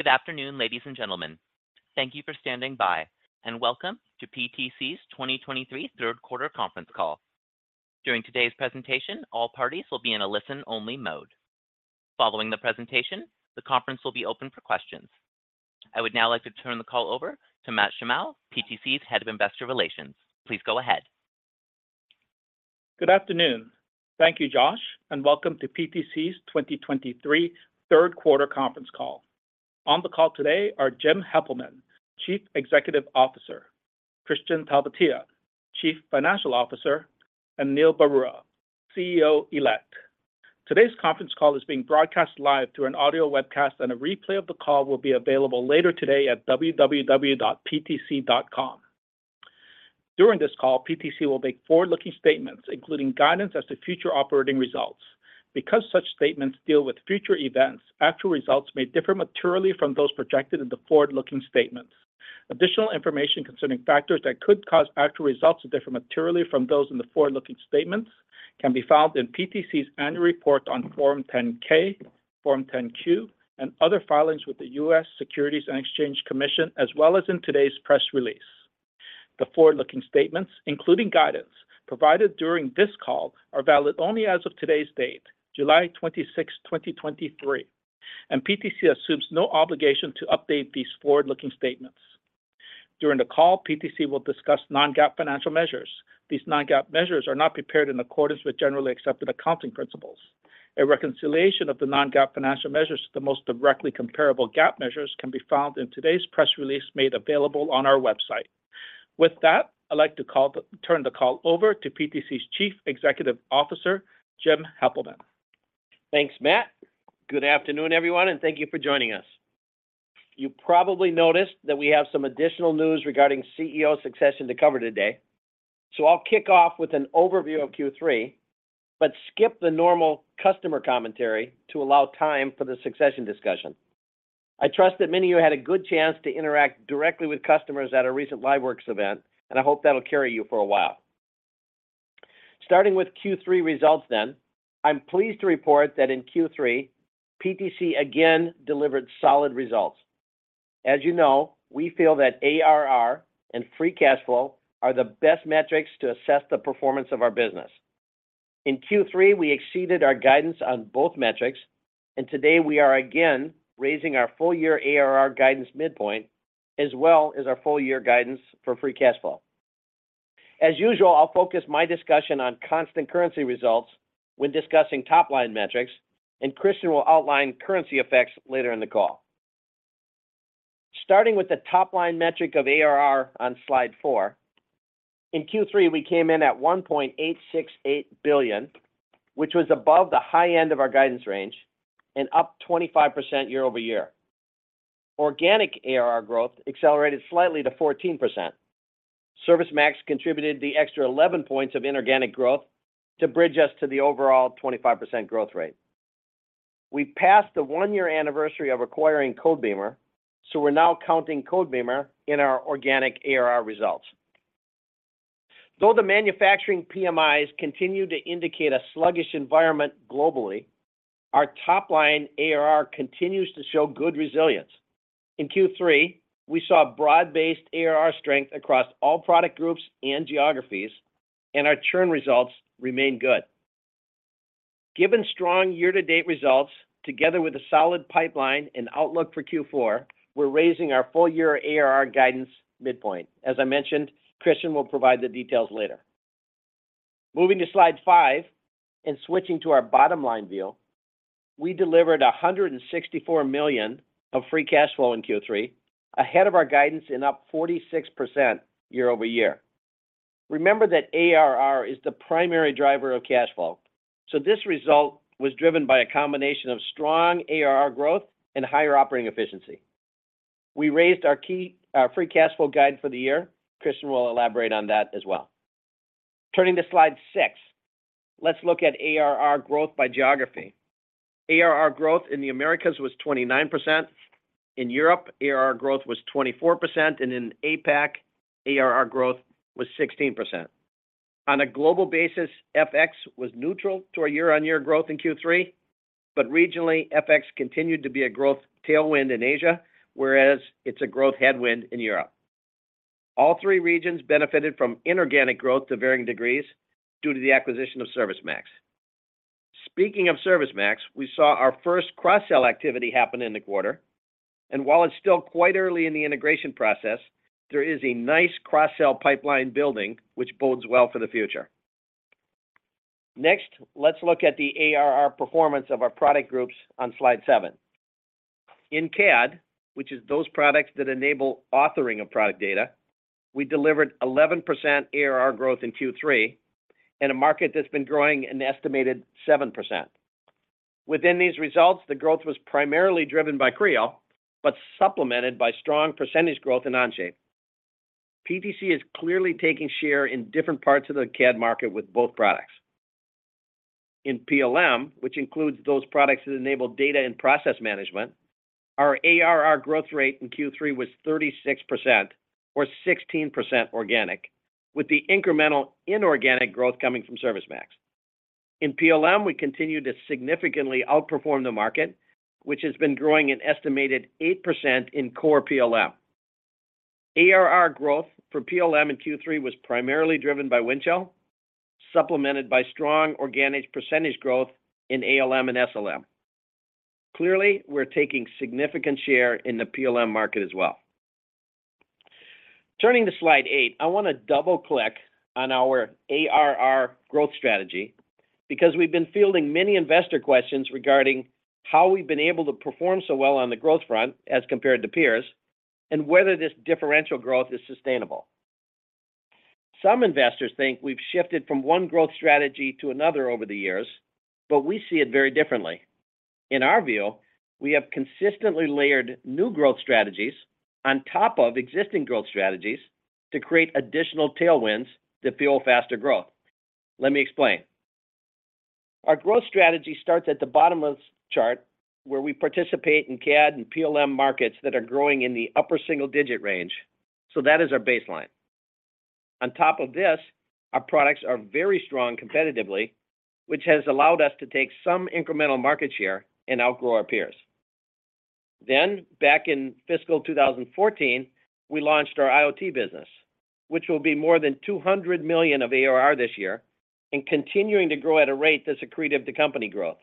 Good afternoon, ladies and gentlemen. Thank you for standing by, and welcome to PTC's 2023 Third Quarter Conference Call. During today's presentation, all parties will be in a listen-only mode. Following the presentation, the conference will be open for questions. I would now like to turn the call over to Matt Shimao, PTC's Head of Investor Relations. Please go ahead. Good afternoon. Thank you, Josh, and welcome to PTC's 2023 third quarter conference call. On the call today are Jim Heppelmann, Chief Executive Officer, Kristian Talvitie, Chief Financial Officer, and Neil Barua, CEO-Elect. Today's conference call is being broadcast live through an audio webcast, and a replay of the call will be available later today at www.ptc.com. During this call, PTC will make forward-looking statements, including guidance as to future operating results. Because such statements deal with future events, actual results may differ materially from those projected in the forward-looking statements. Additional information concerning factors that could cause actual results to differ materially from those in the forward-looking statements can be found in PTC's annual report on Form 10-K, Form 10-Q, and other filings with the U.S. Securities and Exchange Commission, as well as in today's press release. The forward-looking statements, including guidance provided during this call, are valid only as of today's date, July 26th, 2023. PTC assumes no obligation to update these forward-looking statements. During the call, PTC will discuss non-GAAP financial measures. These non-GAAP measures are not prepared in accordance with generally accepted accounting principles. A reconciliation of the non-GAAP financial measures to the most directly comparable GAAP measures can be found in today's press release made available on our website. With that, I'd like to turn the call over to PTC's Chief Executive Officer, Jim Heppelmann. Thanks, Matt. Good afternoon, everyone, thank you for joining us. You probably noticed that we have some additional news regarding CEO succession to cover today. I'll kick off with an overview of Q3, skip the normal customer commentary to allow time for the succession discussion. I trust that many of you had a good chance to interact directly with customers at a recent LiveWorx event, I hope that'll carry you for a while. Starting with Q3 results, I'm pleased to report that in Q3, PTC again delivered solid results. As you know, we feel that ARR and free cash flow are the best metrics to assess the performance of our business. In Q3, we exceeded our guidance on both metrics, today we are again raising our full year ARR guidance midpoint, as well as our full year guidance for free cash flow. As usual, I'll focus my discussion on constant currency results when discussing top-line metrics, and Kristian will outline currency effects later in the call. Starting with the top-line metric of ARR on slide four, in Q3, we came in at $1.868 billion, which was above the high end of our guidance range and up 25% YoY. Organic ARR growth accelerated slightly to 14%. ServiceMax contributed the extra 11 points of inorganic growth to bridge us to the overall 25% growth rate. We passed the one-year anniversary of acquiring Codebeamer, so we're now counting Codebeamer in our organic ARR results. Though the manufacturing PMI continue to indicate a sluggish environment globally, our top-line ARR continues to show good resilience. In Q3, we saw broad-based ARR strength across all product groups and geographies, and our churn results remain good. Given strong year-to-date results, together with a solid pipeline and outlook for Q4, we're raising our full year ARR guidance midpoint. As I mentioned, Kristian will provide the details later. Moving to slide five and switching to our bottom line view, we delivered $164 million of free cash flow in Q3, ahead of our guidance and up 46% YoY. Remember that ARR is the primary driver of cash flow, so this result was driven by a combination of strong ARR growth and higher operating efficiency. We raised our free cash flow guide for the year. Kristian will elaborate on that as well. Turning to slide six, let's look at ARR growth by geography. ARR growth in the Americas was 29%. In Europe, ARR growth was 24%, and in APAC, ARR growth was 16%. On a global basis, FX was neutral to our year-on-year growth in Q3, but regionally, FX continued to be a growth tailwind in Asia, whereas it's a growth headwind in Europe. All three regions benefited from inorganic growth to varying degrees due to the acquisition of ServiceMax. Speaking of ServiceMax, we saw our first cross-sell activity happen in the quarter, and while it's still quite early in the integration process, there is a nice cross-sell pipeline building, which bodes well for the future. Let's look at the ARR performance of our product groups on slide seven. In CAD, which is those products that enable authoring of product data, we delivered 11% ARR growth in Q3 in a market that's been growing an estimated 7%. Within these results, the growth was primarily driven by Creo, but supplemented by strong percentage growth in Onshape. PTC is clearly taking share in different parts of the CAD market with both products. In PLM, which includes those products that enable data and process management, our ARR growth rate in Q3 was 36% or 16% organic, with the incremental inorganic growth coming from ServiceMax. In PLM, we continue to significantly outperform the market, which has been growing an estimated 8% in core PLM. ARR growth for PLM in Q3 was primarily driven by Windchill, supplemented by strong organic percentage growth in ALM and SLM. We're taking significant share in the PLM market as well. Turning to slide eight, I want to double-click on our ARR growth strategy because we've been fielding many investor questions regarding how we've been able to perform so well on the growth front as compared to peers, and whether this differential growth is sustainable. Some investors think we've shifted from one growth strategy to another over the years, but we see it very differently. In our view, we have consistently layered new growth strategies on top of existing growth strategies to create additional tailwinds that fuel faster growth. Let me explain. Our growth strategy starts at the bottom of this chart, where we participate in CAD and PLM markets that are growing in the upper single-digit range. That is our baseline. On top of this, our products are very strong competitively, which has allowed us to take some incremental market share and outgrow our peers. Back in fiscal 2014, we launched our IoT business, which will be more than $200 million of ARR this year and continuing to grow at a rate that's accretive to company growth.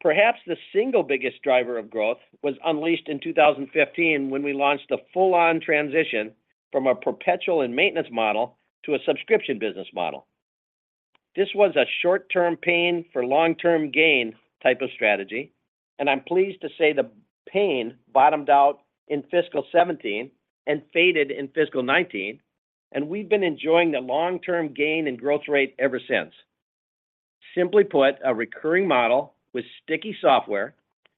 Perhaps the single biggest driver of growth was unleashed in 2015 when we launched a full-on transition from a perpetual and maintenance model to a subscription business model. This was a short-term pain for long-term gain type of strategy. I'm pleased to say the pain bottomed out in fiscal 2017 and faded in fiscal 2019. We've been enjoying the long-term gain and growth rate ever since. Simply put, a recurring model with sticky software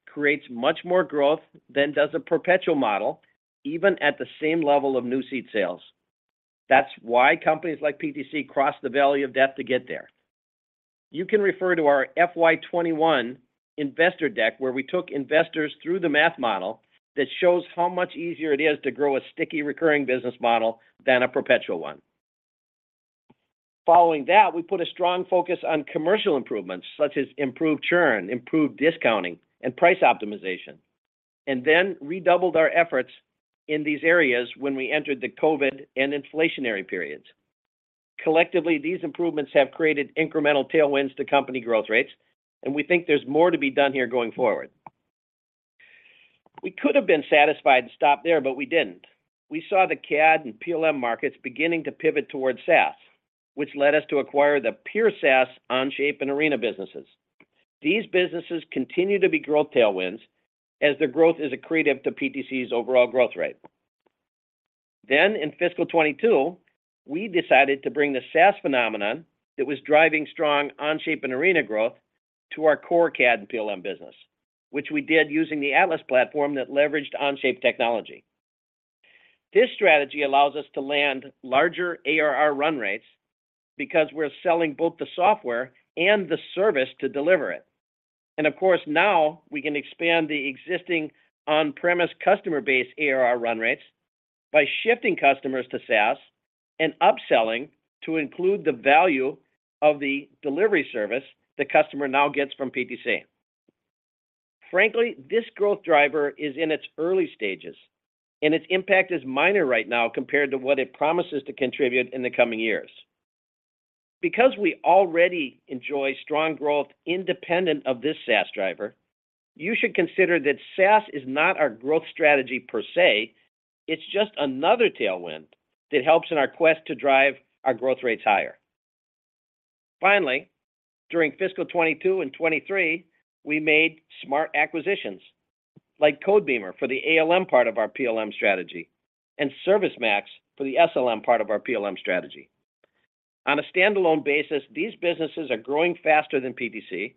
creates much more growth than does a perpetual model, even at the same level of new seat sales. That's why companies like PTC cross the valley of death to get there. You can refer to our FY 2021 investor deck, where we took investors through the math model that shows how much easier it is to grow a sticky, recurring business model than a perpetual one. Following that, we put a strong focus on commercial improvements, such as improved churn, improved discounting, and price optimization, and redoubled our efforts in these areas when we entered the COVID and inflationary periods. Collectively, these improvements have created incremental tailwinds to company growth rates, and we think there's more to be done here going forward. We could have been satisfied to stop there, but we didn't. We saw the CAD and PLM markets beginning to pivot towards SaaS, which led us to acquire the pure SaaS Onshape and Arena businesses. These businesses continue to be growth tailwinds as their growth is accretive to PTC's overall growth rate. In fiscal 2022, we decided to bring the SaaS phenomenon that was driving strong Onshape and Arena growth to our core CAD and PLM business, which we did using the Atlas platform that leveraged Onshape technology. This strategy allows us to land larger ARR run rates because we're selling both the software and the service to deliver it. Of course, now we can expand the existing on-premise customer base ARR run rates by shifting customers to SaaS and upselling to include the value of the delivery service the customer now gets from PTC. Frankly, this growth driver is in its early stages, and its impact is minor right now compared to what it promises to contribute in the coming years. Because we already enjoy strong growth independent of this SaaS driver, you should consider that SaaS is not our growth strategy per se. It's just another tailwind that helps in our quest to drive our growth rates higher. During fiscal 2022 and 2023, we made smart acquisitions like Codebeamer for the ALM part of our PLM strategy and ServiceMax for the SLM part of our PLM strategy. On a standalone basis, these businesses are growing faster than PTC,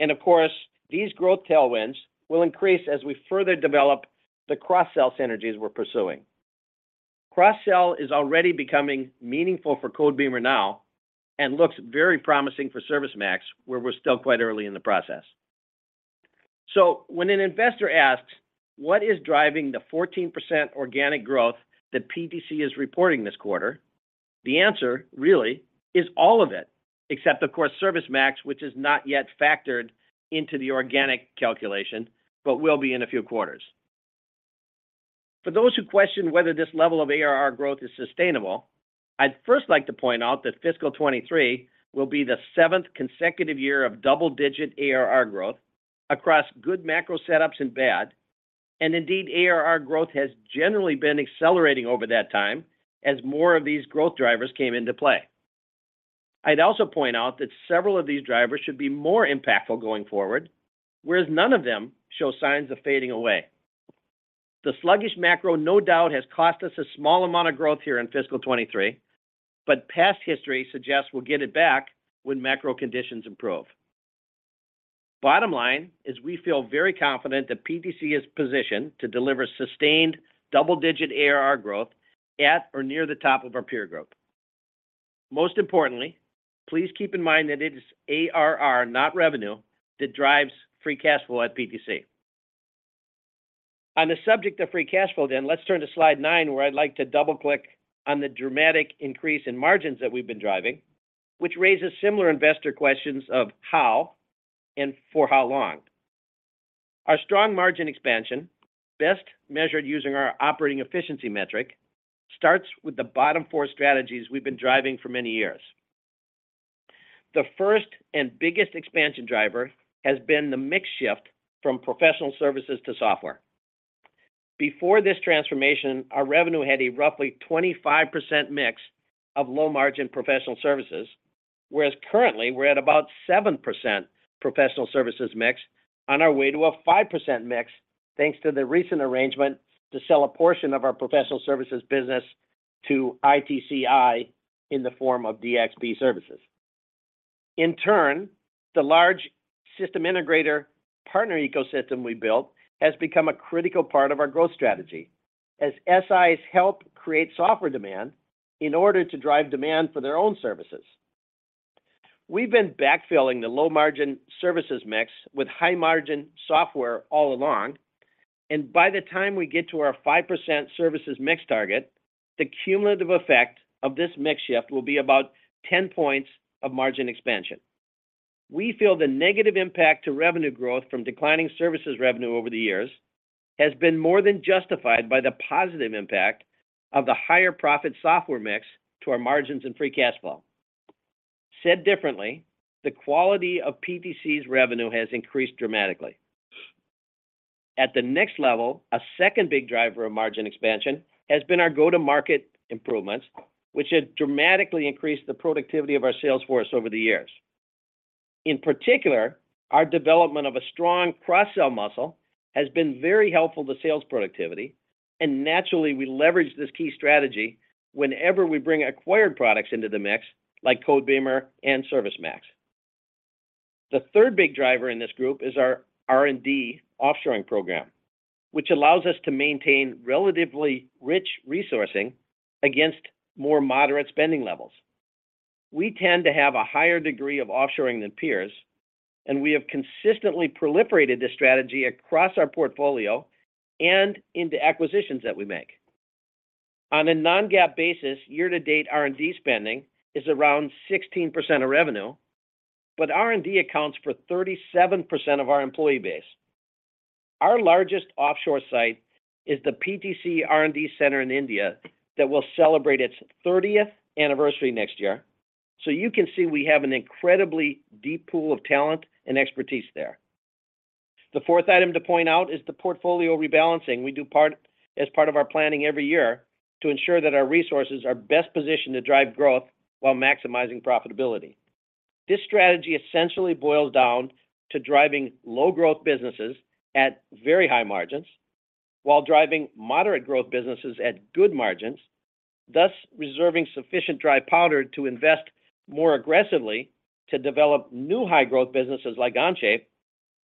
of course, these growth tailwinds will increase as we further develop the cross-sell synergies we're pursuing. Cross-sell is already becoming meaningful for Codebeamer now and looks very promising for ServiceMax, where we're still quite early in the process. When an investor asks: What is driving the 14% organic growth that PTC is reporting this quarter? The answer really is all of it, except, of course, ServiceMax, which is not yet factored into the organic calculation, but will be in a few quarters. For those who question whether this level of ARR growth is sustainable, I'd first like to point out that fiscal 2023 will be the seventh consecutive year of double-digit ARR growth across good macro setups and bad. Indeed, ARR growth has generally been accelerating over that time as more of these growth drivers came into play. I'd also point out that several of these drivers should be more impactful going forward, whereas none of them show signs of fading away. The sluggish macro, no doubt, has cost us a small amount of growth here in fiscal 2023, but past history suggests we'll get it back when macro conditions improve. Bottom line is we feel very confident that PTC is positioned to deliver sustained double-digit ARR growth at or near the top of our peer group. Most importantly, please keep in mind that it is ARR, not revenue, that drives free cash flow at PTC. On the subject of free cash flow, let's turn to slide nine, where I'd like to double-click on the dramatic increase in margins that we've been driving, which raises similar investor questions of how and for how long? Our strong margin expansion, best measured using our operating efficiency metric, starts with the bottom four strategies we've been driving for many years. The first and biggest expansion driver has been the mix shift from professional services to software. Before this transformation, our revenue had a roughly 25% mix of low-margin professional services, whereas currently we're at about 7% professional services mix on our way to a 5% mix, thanks to the recent arrangement to sell a portion of our professional services business to ITC in the form of DxP Services. In turn, the large system integrator partner ecosystem we built has become a critical part of our growth strategy, as SI help create software demand in order to drive demand for their own services. We've been backfilling the low margin services mix with high margin software all along, and by the time we get to our 5% services mix target, the cumulative effect of this mix shift will be about 10 points of margin expansion. We feel the negative impact to revenue growth from declining services revenue over the years, has been more than justified by the positive impact of the higher profit software mix to our margins and free cash flow. Said differently, the quality of PTC's revenue has increased dramatically. At the next level, a second big driver of margin expansion has been our go-to-market improvements, which have dramatically increased the productivity of our sales force over the years. In particular, our development of a strong cross-sell muscle has been very helpful to sales productivity, and naturally, we leverage this key strategy whenever we bring acquired products into the mix, like Codebeamer and ServiceMax. The third big driver in this group is our R&D offshoring program, which allows us to maintain relatively rich resourcing against more moderate spending levels. We tend to have a higher degree of offshoring than peers, and we have consistently proliferated this strategy across our portfolio and into acquisitions that we make. On a non-GAAP basis, year to date, R&D spending is around 16% of revenue, but R&D accounts for 37% of our employee base. Our largest offshore site is the PTC R&D center in India, that will celebrate its 30th anniversary next year. You can see we have an incredibly deep pool of talent and expertise there. The fourth item to point out is the portfolio rebalancing. We do as part of our planning every year to ensure that our resources are best positioned to drive growth while maximizing profitability. This strategy essentially boils down to driving low growth businesses at very high margins, while driving moderate growth businesses at good margins, thus reserving sufficient dry powder to invest more aggressively to develop new high growth businesses like Onshape,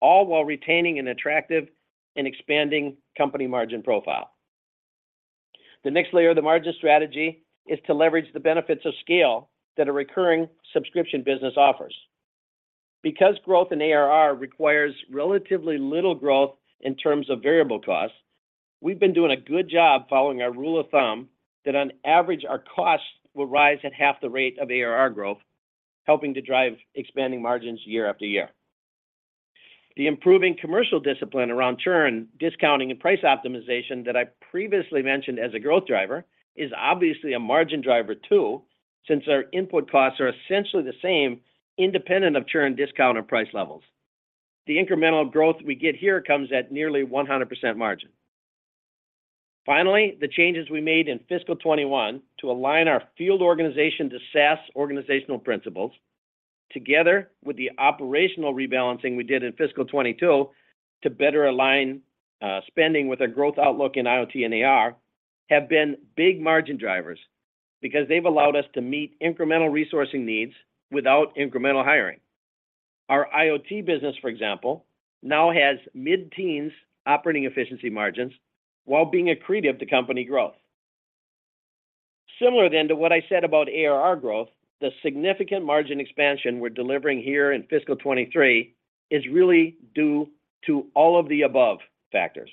all while retaining an attractive and expanding company margin profile. The next layer of the margin strategy is to leverage the benefits of scale that a recurring subscription business offers. Because growth in ARR requires relatively little growth in terms of variable costs, we've been doing a good job following our rule of thumb that on average, our costs will rise at half the rate of ARR growth, helping to drive expanding margins year after year. The improving commercial discipline around churn, discounting, and price optimization that I previously mentioned as a growth driver, is obviously a margin driver too, since our input costs are essentially the same independent of churn, discount, or price levels. The incremental growth we get here comes at nearly 100% margin. Finally, the changes we made in fiscal 2021 to align our field organization to SaaS organizational principles, together with the operational rebalancing we did in fiscal 2022 to better align spending with our growth outlook in IoT and AR, have been big margin drivers because they've allowed us to meet incremental resourcing needs without incremental hiring. Our IoT business, for example, now has mid-teens operating efficiency margins while being accretive to company growth. Similar to what I said about ARR growth, the significant margin expansion we're delivering here in fiscal 2023 is really due to all of the above factors.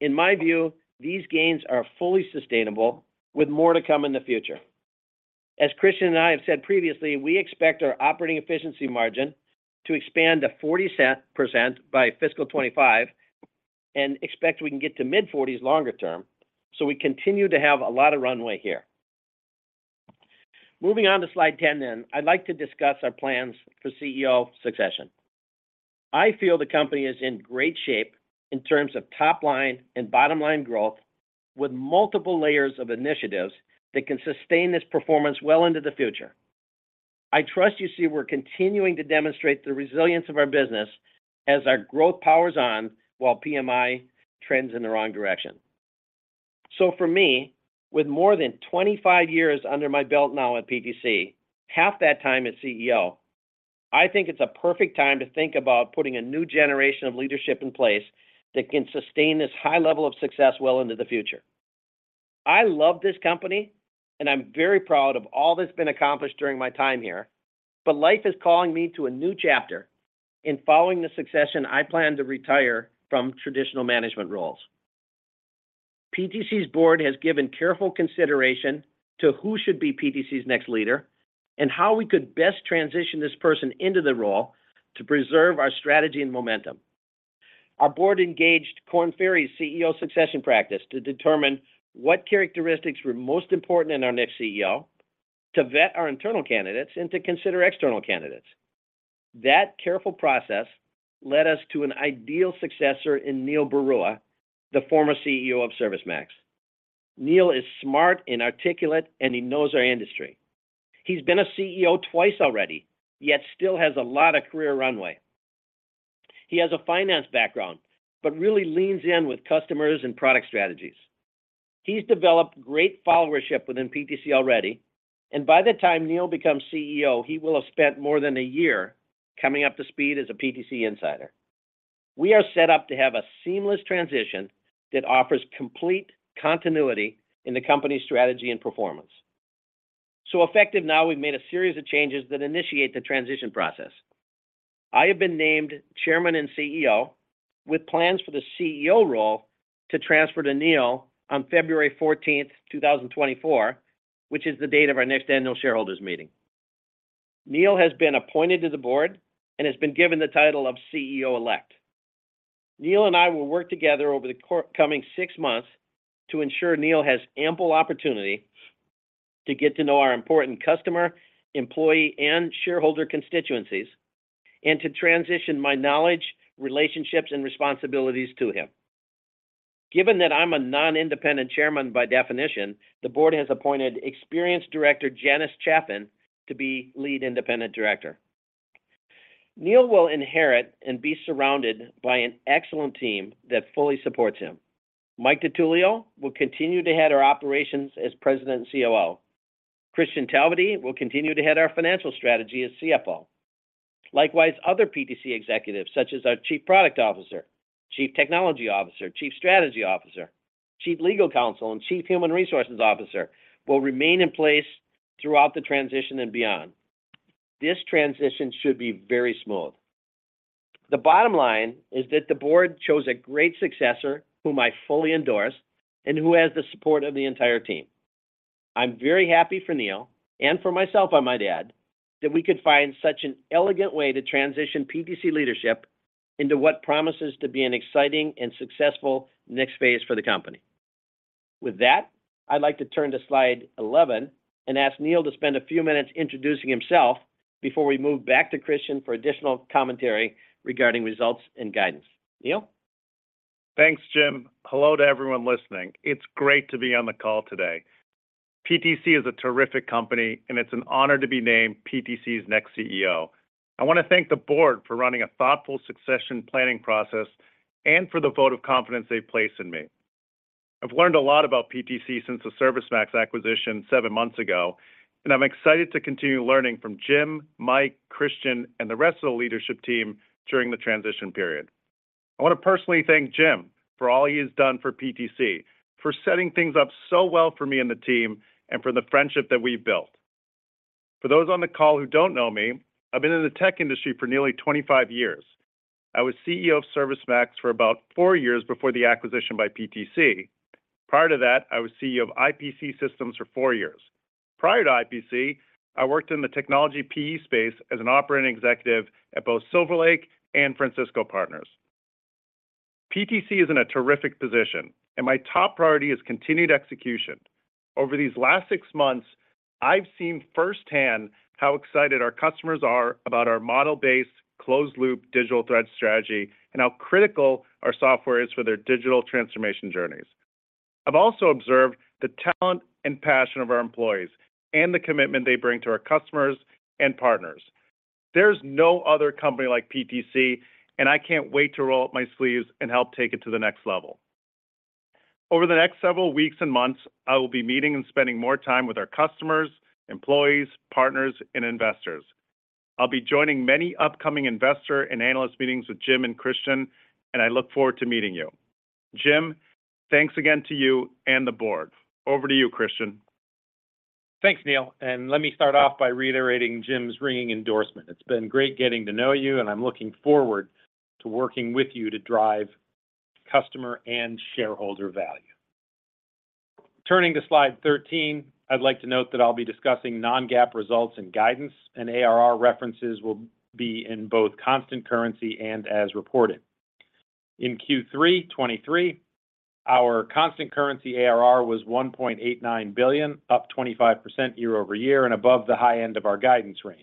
In my view, these gains are fully sustainable, with more to come in the future. As Kristian and I have said previously, we expect our operating efficiency margin to expand to 40% by fiscal 2025 and expect we can get to mid-40s longer term, we continue to have a lot of runway here. Moving on to slide ten, I'd like to discuss our plans for CEO succession. I feel the company is in great shape in terms of top line and bottom line growth, with multiple layers of initiatives that can sustain this performance well into the future. I trust you see we're continuing to demonstrate the resilience of our business as our growth powers on, while PMI trends in the wrong direction. For me, with more than 25 years under my belt now at PTC, half that time as CEO, I think it's a perfect time to think about putting a new generation of leadership in place that can sustain this high level of success well into the future. I love this company, and I'm very proud of all that's been accomplished during my time here, but life is calling me to a new chapter. In following the succession, I plan to retire from traditional management roles. PTC's board has given careful consideration to who should be PTC's next leader and how we could best transition this person into the role to preserve our strategy and momentum. Our board engaged Korn Ferry's CEO succession practice to determine what characteristics were most important in our next CEO, to vet our internal candidates and to consider external candidates. That careful process led us to an ideal successor in Neil Barua, the former CEO of ServiceMax. Neil is smart and articulate, and he knows our industry. He's been a CEO twice already, yet still has a lot of career runway. He has a finance background, but really leans in with customers and product strategies. He's developed great followership within PTC already, and by the time Neil becomes CEO, he will have spent more than a year coming up to speed as a PTC insider. We are set up to have a seamless transition that offers complete continuity in the company's strategy and performance. Effective now, we've made a series of changes that initiate the transition process. I have been named chairman and CEO, with plans for the CEO role to transfer to Neil on February 14th, 2024, which is the date of our next annual shareholders meeting. Neil has been appointed to the board and has been given the title of CEO-elect. Neil and I will work together over the coming six months to ensure Neil has ample opportunity to get to know our important customer, employee, and shareholder constituencies, and to transition my knowledge, relationships, and responsibilities to him. Given that I'm a non-independent chairman by definition, the board has appointed experienced director, Janice Chaffin, to be lead independent director. Neil will inherit and be surrounded by an excellent team that fully supports him. Michael DiTullio will continue to head our operations as President and COO. Kristian Talvitie will continue to head our financial strategy as CFO. Likewise, other PTC executives, such as our Chief Product Officer, Chief Technology Officer, Chief Strategy Officer, Chief Legal Counsel, and Chief Human Resources Officer, will remain in place throughout the transition and beyond. This transition should be very smooth. The bottom line is that the board chose a great successor, whom I fully endorse and who has the support of the entire team. I'm very happy for Neil and for myself, I might add, that we could find such an elegant way to transition PTC leadership into what promises to be an exciting and successful next phase for the company. With that, I'd like to turn to slide 11 and ask Neil to spend a few minutes introducing himself before we move back to Kristian for additional commentary regarding results and guidance. Neil? Thanks, Jim. Hello to everyone listening. It's great to be on the call today. PTC is a terrific company, and it's an honor to be named PTC's next CEO. I want to thank the board for running a thoughtful succession planning process and for the vote of confidence they've placed in me. I've learned a lot about PTC since the ServiceMax acquisition seven months ago, and I'm excited to continue learning from Jim, Mike, Kristian, and the rest of the leadership team during the transition period. I want to personally thank Jim for all he has done for PTC, for setting things up so well for me and the team, and for the friendship that we've built. For those on the call who don't know me, I've been in the tech industry for nearly 25 years. I was CEO of ServiceMax for about four years before the acquisition by PTC. Prior to that, I was CEO of IPC Systems for four years. Prior to IPC, I worked in the technology PE space as an operating executive at both Silver Lake and Francisco Partners. PTC is in a terrific position, and my top priority is continued execution. Over these last six months, I've seen firsthand how excited our customers are about our model-based, closed-loop digital thread strategy and how critical our software is for their digital transformation journeys. I've also observed the talent and passion of our employees and the commitment they bring to our customers and partners. There's no other company like PTC, and I can't wait to roll up my sleeves and help take it to the next level. Over the next several weeks and months, I will be meeting and spending more time with our customers, employees, partners, and investors. I'll be joining many upcoming investor and analyst meetings with Jim and Kristian, and I look forward to meeting you. Jim, thanks again to you and the board. Over to you, Kristian. Thanks, Neil, and let me start off by reiterating Jim's ringing endorsement. It's been great getting to know you, and I'm looking forward to working with you to drive customer and shareholder value. Turning to slide 13, I'd like to note that I'll be discussing non-GAAP results and guidance, and ARR references will be in both constant currency and as reported. In Q3 2023, our constant currency ARR was $1.89 billion, up 25% YoY and above the high end of our guidance range.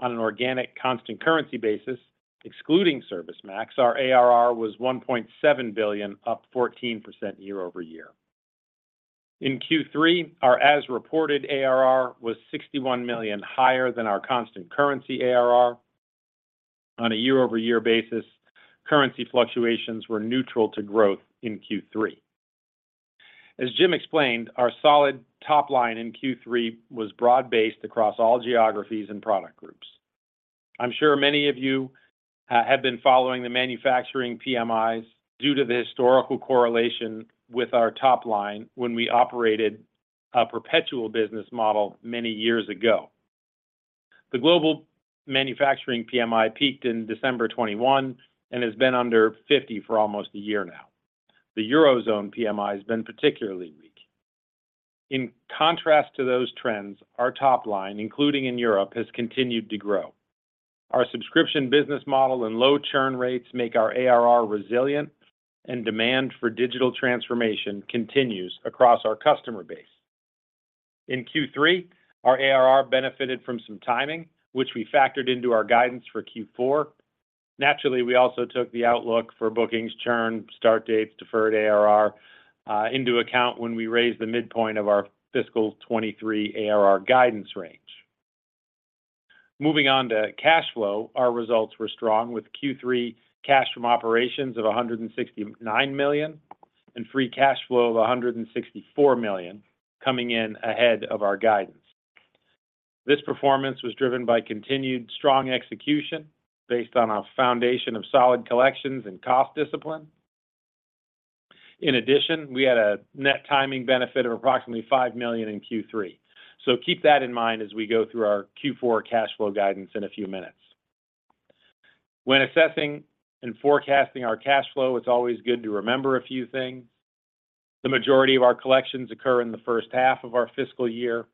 On an organic, constant currency basis, excluding ServiceMax, our ARR was $1.7 billion, up 14% YoY. In Q3, our as-reported ARR was $61 million, higher than our constant currency ARR. On a YoY basis, currency fluctuations were neutral to growth in Q3. As Jim explained, our solid top line in Q3 was broad-based across all geographies and product groups. I'm sure many of you have been following the manufacturing PMIs due to the historical correlation with our top line when we operated a perpetual business model many years ago. The global manufacturing PMI peaked in December 2021 and has been under 50 for almost a year now. The Eurozone PMI has been particularly weak. In contrast to those trends, our top line, including in Europe, has continued to grow. Our subscription business model and low churn rates make our ARR resilient, and demand for digital transformation continues across our customer base. In Q3, our ARR benefited from some timing, which we factored into our guidance for Q4. Naturally, we also took the outlook for bookings, churn, start dates, deferred ARR into account when we raised the midpoint of our fiscal 2023 ARR guidance range. Moving on to cash flow, our results were strong, with Q3 cash from operations of $169 million, and free cash flow of $164 million coming in ahead of our guidance. This performance was driven by continued strong execution based on a foundation of solid collections and cost discipline. In addition, we had a net timing benefit of approximately $5 million in Q3. Keep that in mind as we go through our Q4 cash flow guidance in a few minutes. When assessing and forecasting our cash flow, it's always good to remember a few things. The majority of our collections occur in the first half of our fiscal year.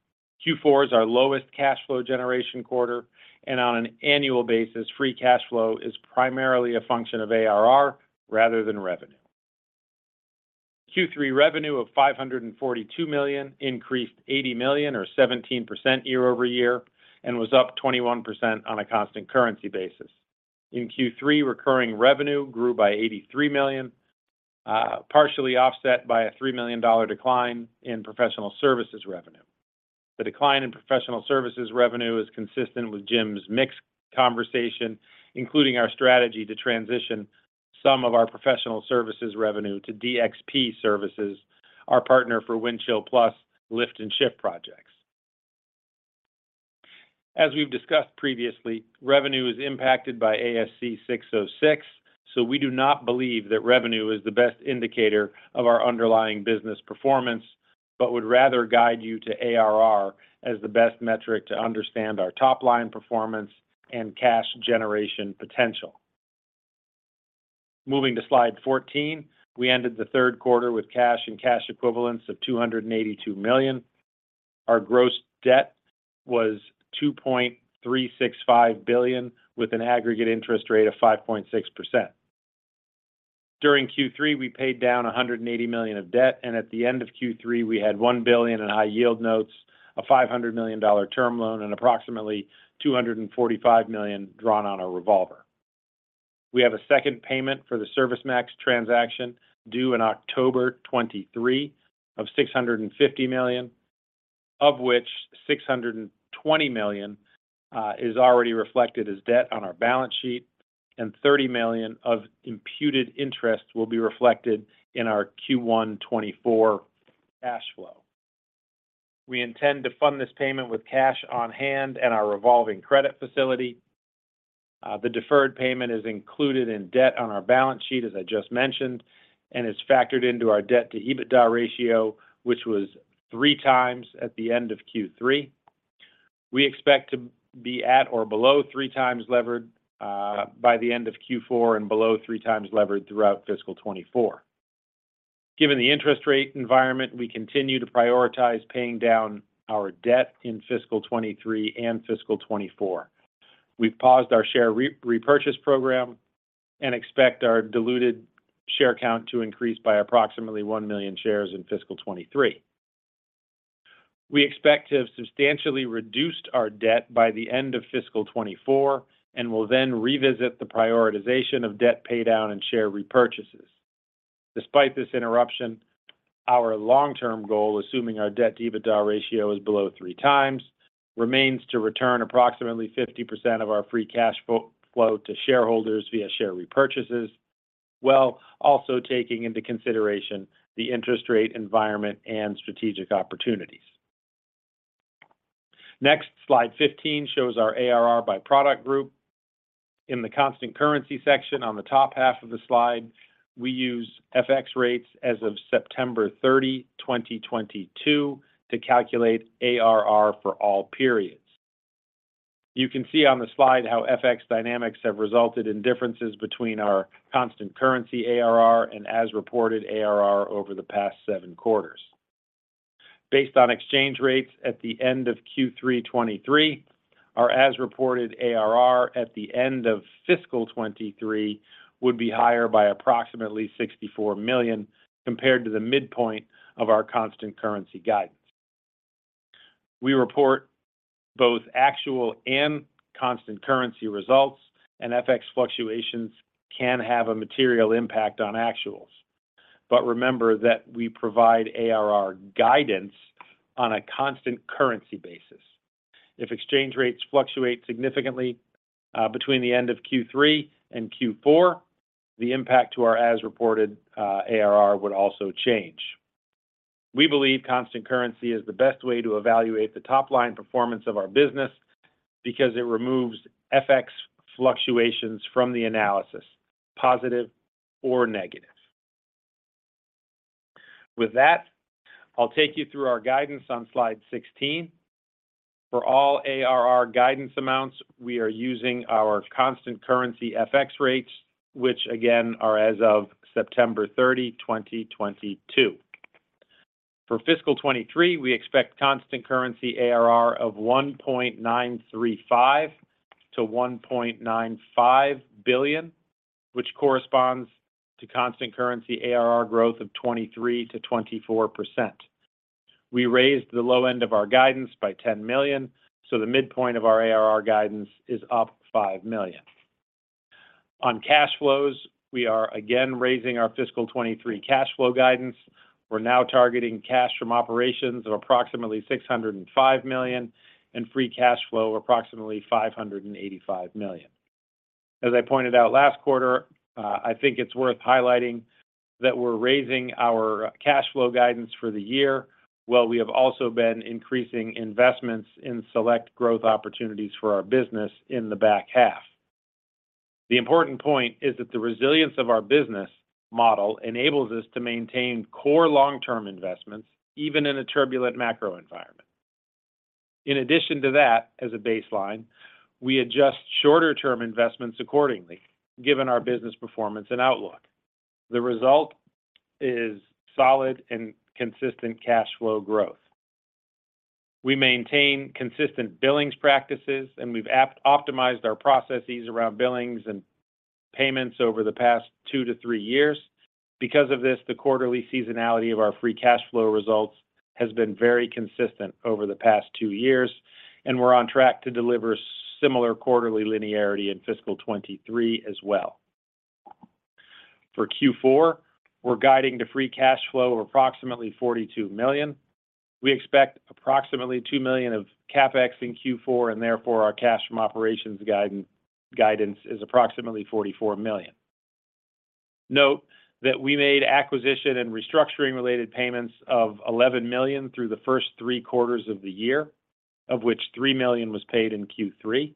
Q4 is our lowest cash flow generation quarter, and on an annual basis, free cash flow is primarily a function of ARR rather than revenue. Q3 revenue of $542 million increased $80 million or 17% YoY, was up 21% on a constant currency basis. In Q3, recurring revenue grew by $83 million, partially offset by a $3 million decline in professional services revenue. The decline in professional services revenue is consistent with Jim's mixed conversation, including our strategy to transition some of our professional services revenue to DxP Services, our partner for Windchill+, lift and shift projects. As we've discussed previously, revenue is impacted by ASC 606, we do not believe that revenue is the best indicator of our underlying business performance, would rather guide you to ARR as the best metric to understand our top line performance and cash generation potential. Moving to slide 14, we ended the third quarter with cash and cash equivalents of $282 million. Our gross debt was $2.365 billion, with an aggregate interest rate of 5.6%. During Q3, we paid down $180 million of debt, and at the end of Q3, we had $1 billion in high yield notes, a $500 million term loan, and approximately $245 million drawn on our revolver. We have a second payment for the ServiceMax transaction due in October 2023 of $650 million, of which $620 million is already reflected as debt on our balance sheet, and $30 million of imputed interest will be reflected in our Q1 2024 cash flow. We intend to fund this payment with cash on hand and our revolving credit facility. The deferred payment is included in debt on our balance sheet, as I just mentioned, and it's factored into our debt to EBITDA ratio, which was three times at the end of Q3. We expect to be at or below three times levered by the end of Q4, and below three times levered throughout fiscal 2024. Given the interest rate environment, we continue to prioritize paying down our debt in fiscal 2023 and fiscal 2024. We've paused our share repurchase program and expect our diluted share count to increase by approximately 1 million shares in fiscal 2023. We expect to have substantially reduced our debt by the end of fiscal 2024, and will then revisit the prioritization of debt paydown and share repurchases. Despite this interruption, our long-term goal, assuming our debt to EBITDA ratio is below three times, remains to return approximately 50% of our free cash flow to shareholders via share repurchases, while also taking into consideration the interest rate environment and strategic opportunities. Slide 15 shows our ARR by product group. In the constant currency section on the top half of the slide, we use FX rates as of September 30th, 2022, to calculate ARR for all periods. You can see on the slide how FX dynamics have resulted in differences between our constant currency ARR and as-reported ARR over the past seven quarters. Based on exchange rates at the end of Q3 2023, our as-reported ARR at the end of fiscal 2023 would be higher by approximately $64 million compared to the midpoint of our constant currency guidance. We report both actual and constant currency results. FX fluctuations can have a material impact on actuals. Remember that we provide ARR guidance on a constant currency basis. If exchange rates fluctuate significantly between the end of Q3 and Q4, the impact to our as-reported ARR would also change. We believe constant currency is the best way to evaluate the top-line performance of our business, because it removes FX fluctuations from the analysis, positive or negative. With that, I'll take you through our guidance on slide 16. For all ARR guidance amounts, we are using our constant currency FX rates, which again, are as of September 30th, 2022. For fiscal 2023, we expect constant currency ARR of $1.935 billion-$1.95 billion, which corresponds to constant currency ARR growth of 23%-24%. We raised the low end of our guidance by $10 million. The midpoint of our ARR guidance is up $5 million. Cash flows, we are again raising our fiscal 2023 cash flow guidance. We're now targeting cash from operations of approximately $605 million, and free cash flow, approximately $585 million. As I pointed out last quarter, I think it's worth highlighting that we're raising our cash flow guidance for the year, while we have also been increasing investments in select growth opportunities for our business in the back half. The important point is that the resilience of our business model enables us to maintain core long-term investments, even in a turbulent macro environment. In addition to that, as a baseline, we adjust shorter-term investments accordingly, given our business performance and outlook. The result is solid and consistent cash flow growth. We maintain consistent billings practices, and we've optimized our processes around billings and payments over the past two to three years. Because of this, the quarterly seasonality of our free cash flow results has been very consistent over the past two years, and we're on track to deliver similar quarterly linearity in fiscal 2023 as well. For Q4, we're guiding to free cash flow of approximately $42 million. We expect approximately $2 million of CapEx in Q4, and therefore, our cash from operations guidance is approximately $44 million. Note that we made acquisition and restructuring-related payments of $11 million through the first three quarters of the year, of which $3 million was paid in Q3,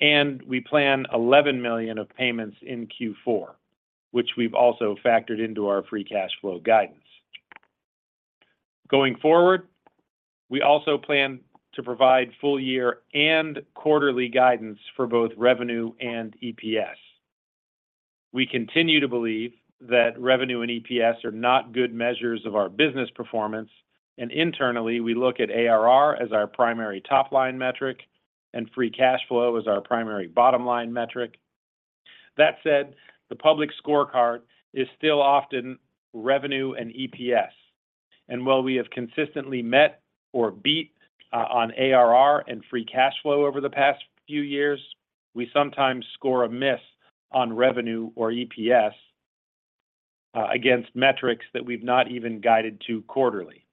and we plan $11 million of payments in Q4, which we've also factored into our free cash flow guidance. Going forward, we also plan to provide full year and quarterly guidance for both revenue and EPS. We continue to believe that revenue and EPS are not good measures of our business performance, and internally, we look at ARR as our primary top-line metric and free cash flow as our primary bottom-line metric. That said, the public scorecard is still often revenue and EPS, and while we have consistently met or beat on ARR and free cash flow over the past few years, we sometimes score a miss on revenue or EPS against metrics that we've not even guided to quarterly.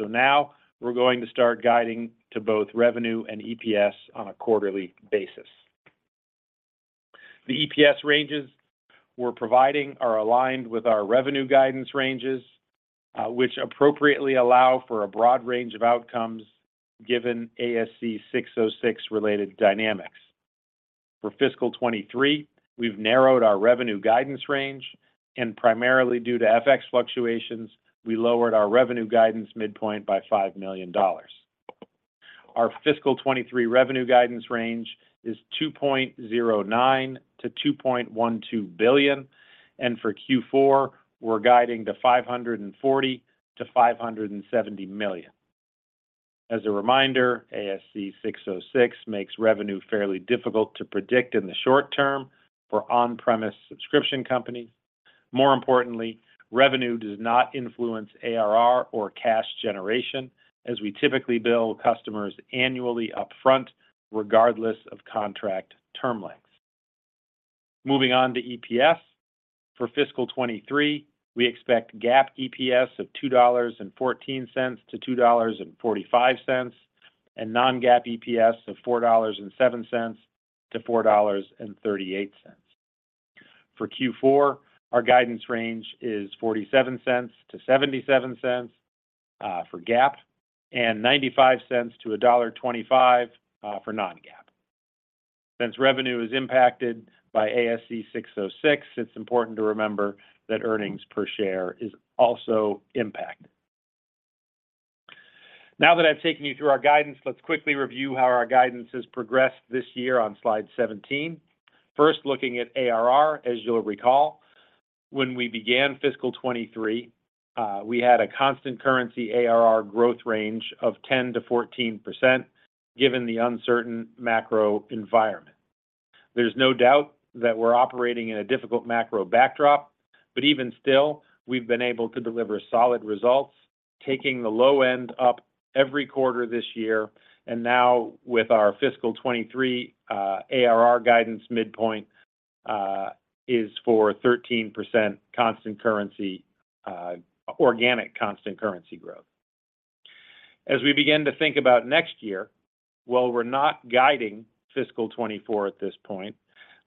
Now we're going to start guiding to both revenue and EPS on a quarterly basis. The EPS ranges we're providing are aligned with our revenue guidance ranges, which appropriately allow for a broad range of outcomes given ASC 606-related dynamics. For fiscal 2023, we've narrowed our revenue guidance range, primarily due to FX fluctuations, we lowered our revenue guidance midpoint by $5 million. Our fiscal 2023 revenue guidance range is $2.09 billion-$2.12 billion, for Q4, we're guiding to $540 million-$570 million. As a reminder, ASC 606 makes revenue fairly difficult to predict in the short term for on-premise subscription companies. More importantly, revenue does not influence ARR or cash generation, as we typically bill customers annually upfront, regardless of contract term lengths. Moving on to EPS. For fiscal 2023, we expect GAAP EPS of $2.14-$2.45, non-GAAP EPS of $4.07-$4.38. For Q4, our guidance range is $0.47-$0.77 for GAAP and $0.95-$1.25 for non-GAAP. Since revenue is impacted by ASC 606, it's important to remember that earnings per share is also impacted. Now that I've taken you through our guidance, let's quickly review how our guidance has progressed this year on slide 17. First, looking at ARR, as you'll recall, when we began fiscal 2023, we had a constant currency ARR growth range of 10%-14%, given the uncertain macro environment. There's no doubt that we're operating in a difficult macro backdrop, but even still, we've been able to deliver solid results, taking the low end up every quarter this year. Now with our fiscal 2023 ARR guidance midpoint, is for 13% constant currency, organic, constant currency growth. As we begin to think about next year, while we're not guiding fiscal 2024 at this point,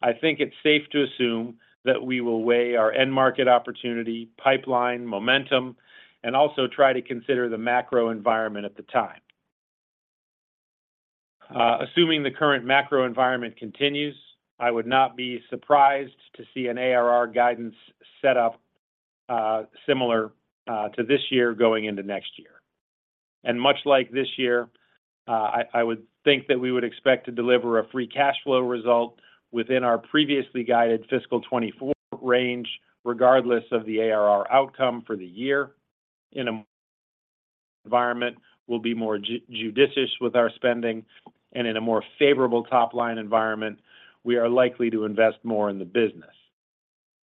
I think it's safe to assume that we will weigh our end market opportunity, pipeline, momentum, and also try to consider the macro environment at the time. Assuming the current macro environment continues, I would not be surprised to see an ARR guidance set up similar to this year going into next year. Much like this year, I would think that we would expect to deliver a free cash flow result within our previously guided fiscal 2024 range, regardless of the ARR outcome for the year. In a environment, we'll be more judicious with our spending, and in a more favorable top-line environment, we are likely to invest more in the business.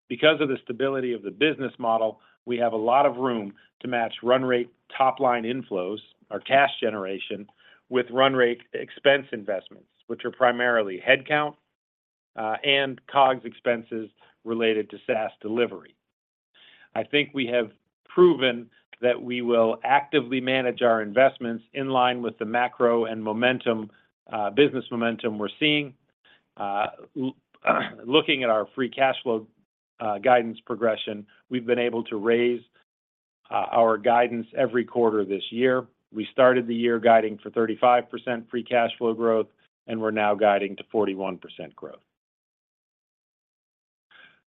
Because of the stability of the business model, we have a lot of room to match run rate top-line inflows or cash generation with run rate expense investments, which are primarily headcount and COGS expenses related to SaaS delivery. I think we have proven that we will actively manage our investments in line with the macro and momentum, business momentum we're seeing. Looking at our free cash flow guidance progression, we've been able to raise our guidance every quarter this year. We started the year guiding for 35% free cash flow growth, and we're now guiding to 41% growth.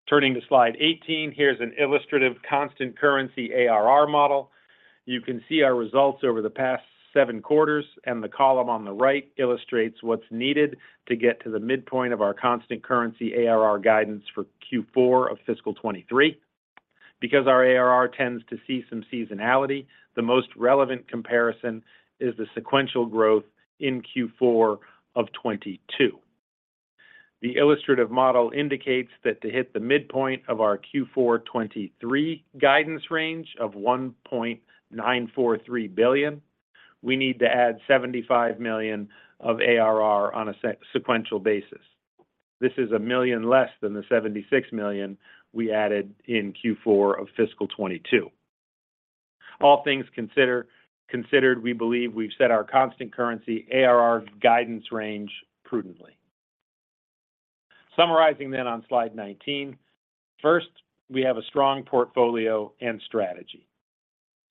Turning to slide 18, here's an illustrative constant currency ARR model. You can see our results over the past seven quarters, and the column on the right illustrates what's needed to get to the midpoint of our constant currency ARR guidance for Q4 of fiscal 2023. Because our ARR tends to see some seasonality, the most relevant comparison is the sequential growth in Q4 of 2022. The illustrative model indicates that to hit the midpoint of our Q4 2023 guidance range of $1.943 billion, we need to add $75 million of ARR on a sequential basis. This is $1 million less than the $76 million we added in Q4 of fiscal 2022. All things considered, we believe we've set our constant currency ARR guidance range prudently. Summarizing on slide 19. First, we have a strong portfolio and strategy.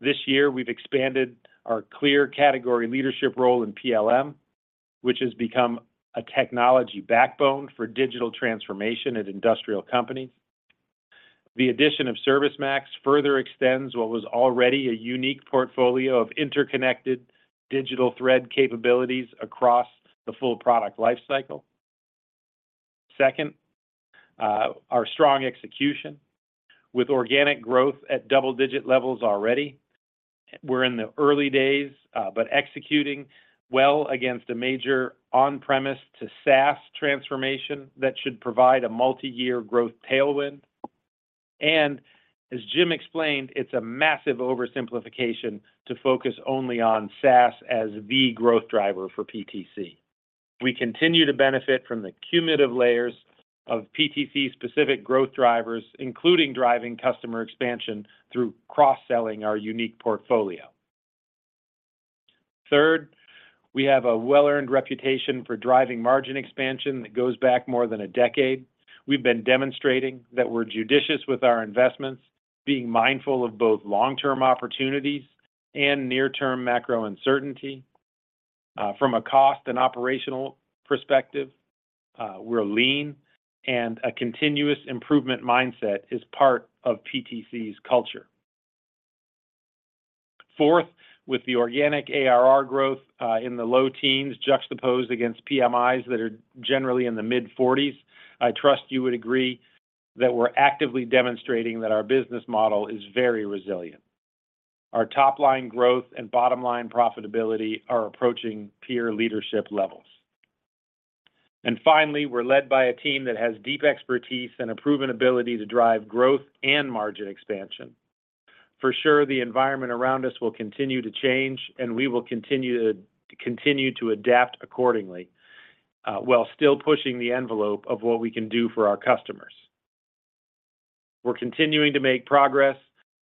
This year, we've expanded our clear category leadership role in PLM, which has become a technology backbone for digital transformation at industrial companies. The addition of ServiceMax further extends what was already a unique portfolio of interconnected digital thread capabilities across the full product lifecycle. Second, our strong execution with organic growth at double-digit levels already. We're in the early days, but executing well against a major on-premise to SaaS transformation that should provide a multiyear growth tailwind. As Jim explained, it's a massive oversimplification to focus only on SaaS as the growth driver for PTC. We continue to benefit from the cumulative layers of PTC-specific growth drivers, including driving customer expansion through cross-selling our unique portfolio. Third, we have a well-earned reputation for driving margin expansion that goes back more than a decade. We've been demonstrating that we're judicious with our investments, being mindful of both long-term opportunities and near-term macro uncertainty. From a cost and operational perspective, we're lean, and a continuous improvement mindset is part of PTC's culture. Fourth, with the organic ARR growth in the low teens, juxtaposed against PMIs that are generally in the mid-forties, I trust you would agree that we're actively demonstrating that our business model is very resilient. Our top-line growth and bottom-line profitability are approaching peer leadership levels. Finally, we're led by a team that has deep expertise and a proven ability to drive growth and margin expansion. For sure, the environment around us will continue to change, and we will continue to adapt accordingly, while still pushing the envelope of what we can do for our customers. We're continuing to make progress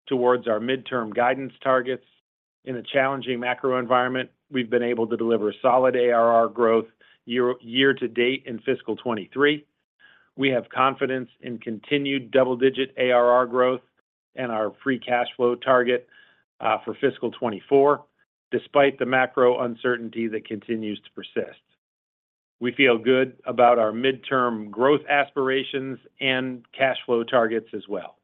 towards our midterm guidance targets. In a challenging macro environment, we've been able to deliver solid ARR growth year to date in fiscal 2023. We have confidence in continued double-digit ARR growth and our free cash flow target for fiscal 2024, despite the macro uncertainty that continues to persist. We feel good about our midterm growth aspirations and cash flow targets as well.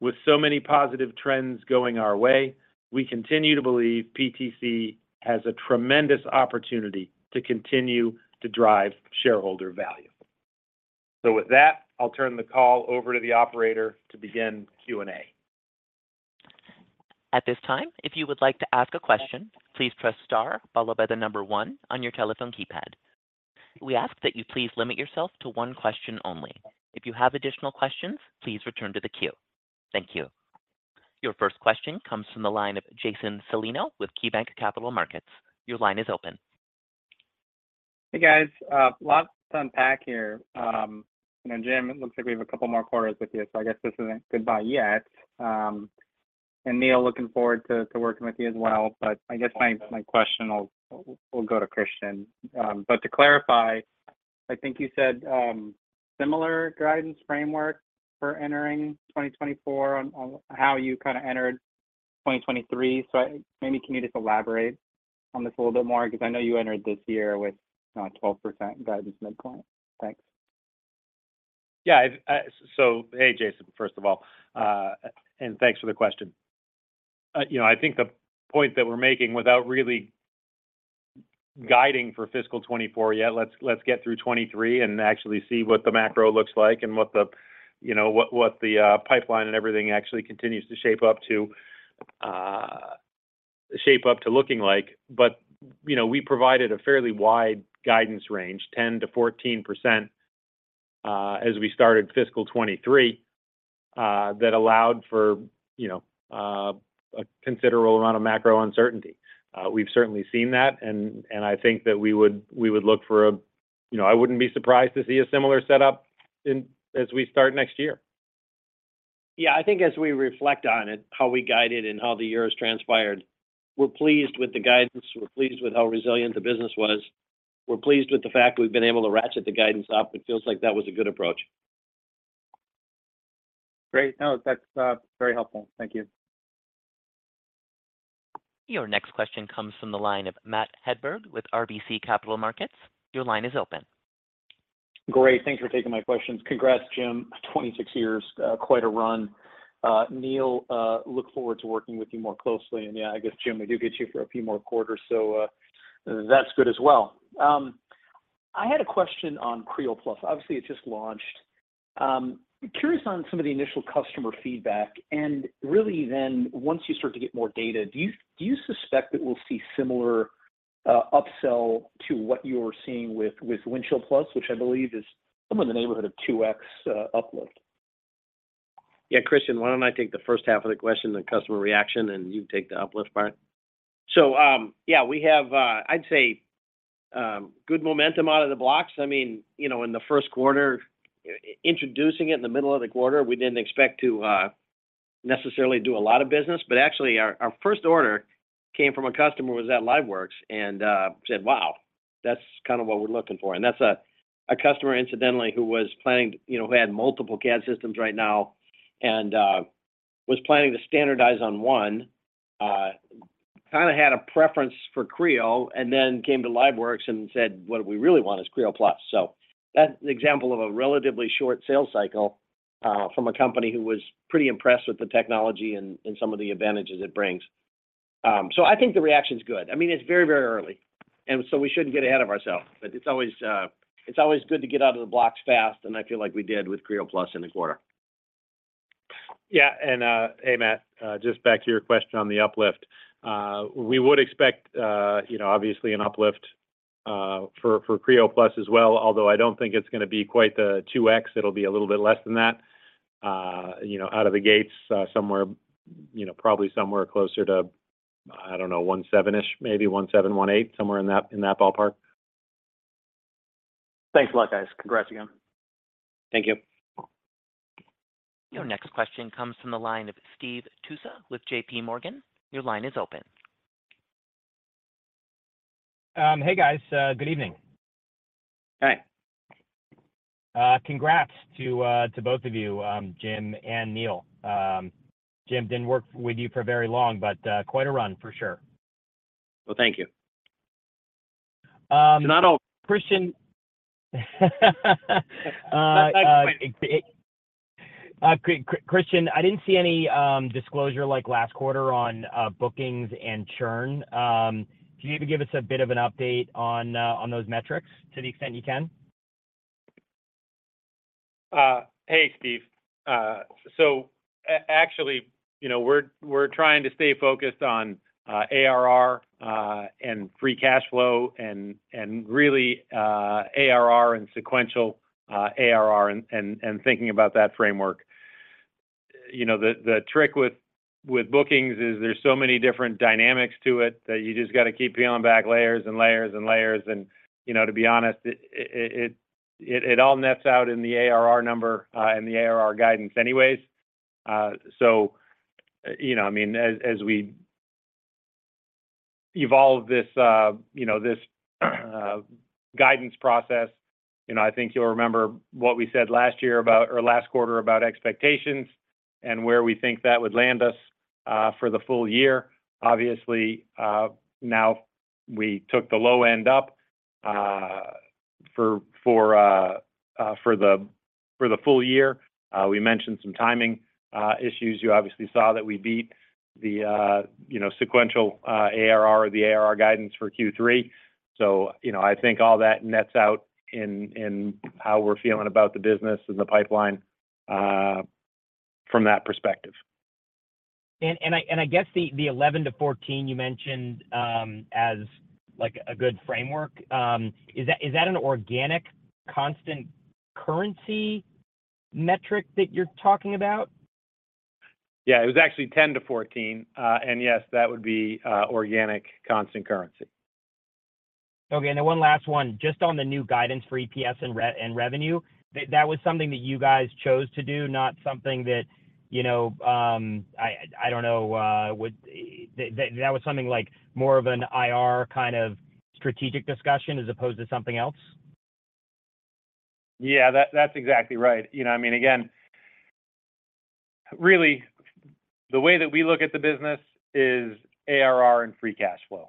With so many positive trends going our way, we continue to believe PTC has a tremendous opportunity to continue to drive shareholder value. With that, I'll turn the call over to the operator to begin Q&A. At this time, if you would like to ask a question, please press star followed by the number one on your telephone keypad. We ask that you please limit yourself to 1 question only. If you have additional questions, please return to the queue. Thank you. Your first question comes from the line of Jason Celino with KeyBanc Capital Markets. Your line is open. Hey, guys, lots to unpack here. You know, Jim, it looks like we have a couple more quarters with you, so I guess this isn't goodbye yet. Neil, looking forward to working with you as well. I guess my question will go to Kristian. to clarify, I think you said similar guidance framework for entering 2024 on how you kinda entered 2023. maybe can you just elaborate on this a little bit more? Because I know you entered this year with 12% guidance mid-point. Thanks. Yeah, I, so hey, Jason, first of all, and thanks for the question. You know, I think the point that we're making without really guiding for fiscal 2024 yet, let's get through 2023 and actually see what the macro looks like and what the, you know, what the pipeline and everything actually continues to shape up to looking like. You know, we provided a fairly wide guidance range, 10%-14%, as we started fiscal 2023, that allowed for, you know, a considerable amount of macro uncertainty. We've certainly seen that, and I think that we would look for. You know, I wouldn't be surprised to see a similar setup in as we start next year. Yeah, I think as we reflect on it, how we guided and how the year has transpired, we're pleased with the guidance. We're pleased with how resilient the business was. We're pleased with the fact that we've been able to ratchet the guidance up. It feels like that was a good approach. Great. No, that's very helpful. Thank you. Your next question comes from the line of Matt Hedberg with RBC Capital Markets. Your line is open. Great, thanks for taking my questions. Congrats, Jim, 26 years, quite a run. Neil, look forward to working with you more closely. Yeah, I guess Jim, we do get you for a few more quarters, so that's good as well. I had a question on Creo+. Obviously, it just launched. Curious on some of the initial customer feedback, and really then once you start to get more data, do you suspect that we'll see similar upsell to what you're seeing with Windchill+, which I believe is somewhere in the neighborhood of 2x uplift? Yeah, Kristian, why don't I take the first half of the question, the customer reaction, and you take the uplift part? Yeah, we have, I'd say, good momentum out of the blocks. I mean, you know, in the first quarter, introducing it in the middle of the quarter, we didn't expect to necessarily do a lot of business. Actually, our first order came from a customer who was at LiveWorx and said, "Wow, that's kind of what we're looking for." That's a customer, incidentally, who was planning, you know, who had multiple CAD systems right now and was planning to standardize on one, kinda had a preference for Creo, and then came to LiveWorx and said, "What we really want is Creo+. That's an example of a relatively short sales cycle, from a company who was pretty impressed with the technology and some of the advantages it brings. I think the reaction's good. I mean, it's very, very early, and so we shouldn't get ahead of ourselves. It's always, it's always good to get out of the blocks fast, and I feel like we did with Creo+ in the quarter. Yeah, and... Hey, Matt, just back to your question on the uplift. We would expect, you know, obviously an uplift, for Creo+ as well, although I don't think it's gonna be quite the 2x. It'll be a little bit less than that, you know, out of the gates, somewhere, you know, probably somewhere closer to, I don't know, 1.7-ish, maybe 1.7, 1.8, somewhere in that, in that ballpark. Thanks a lot, guys. Congrats again. Thank you. Your next question comes from the line of Steve Tusa with J.P. Morgan. Your line is open. Hey, guys. Good evening. Hi. Congrats to both of you, Jim and Neil. Jim, didn't work with you for very long, but quite a run for sure. Well, thank you. Um- To not all. Kristian. That's quite. Kristian, I didn't see any disclosure like last quarter on bookings and churn. Can you maybe give us a bit of an update on those metrics to the extent you can? Hey, Steve. actually, you know, we're trying to stay focused on ARR and free cash flow and really ARR and sequential ARR and thinking about that framework. You know, the trick with bookings is there's so many different dynamics to it, that you just got to keep peeling back layers and layers and layers. You know, to be honest, it all nets out in the ARR number and the ARR guidance anyways. You know, I mean, as we evolve this, you know, this guidance process, you know, I think you'll remember what we said last year about... or last quarter about expectations and where we think that would land us for the full year. Obviously, now we took the low end up, for, for the, for the full year. We mentioned some timing, issues. You obviously saw that we beat the, you know, sequential, ARR or the ARR guidance for Q3. You know, I think all that nets out in how we're feeling about the business and the pipeline, from that perspective. I guess the 11-14 you mentioned, as, like, a good framework, is that an organic constant currency metric that you're talking about? Yeah, it was actually 10-14. Yes, that would be organic constant currency. Okay, one last one. Just on the new guidance for EPS and revenue, that was something that you guys chose to do, not something that, you know, I don't know, that was something like more of an IR kind of strategic discussion as opposed to something else? Yeah, that's exactly right. You know what I mean, again, really, the way that we look at the business is ARR and free cash flow.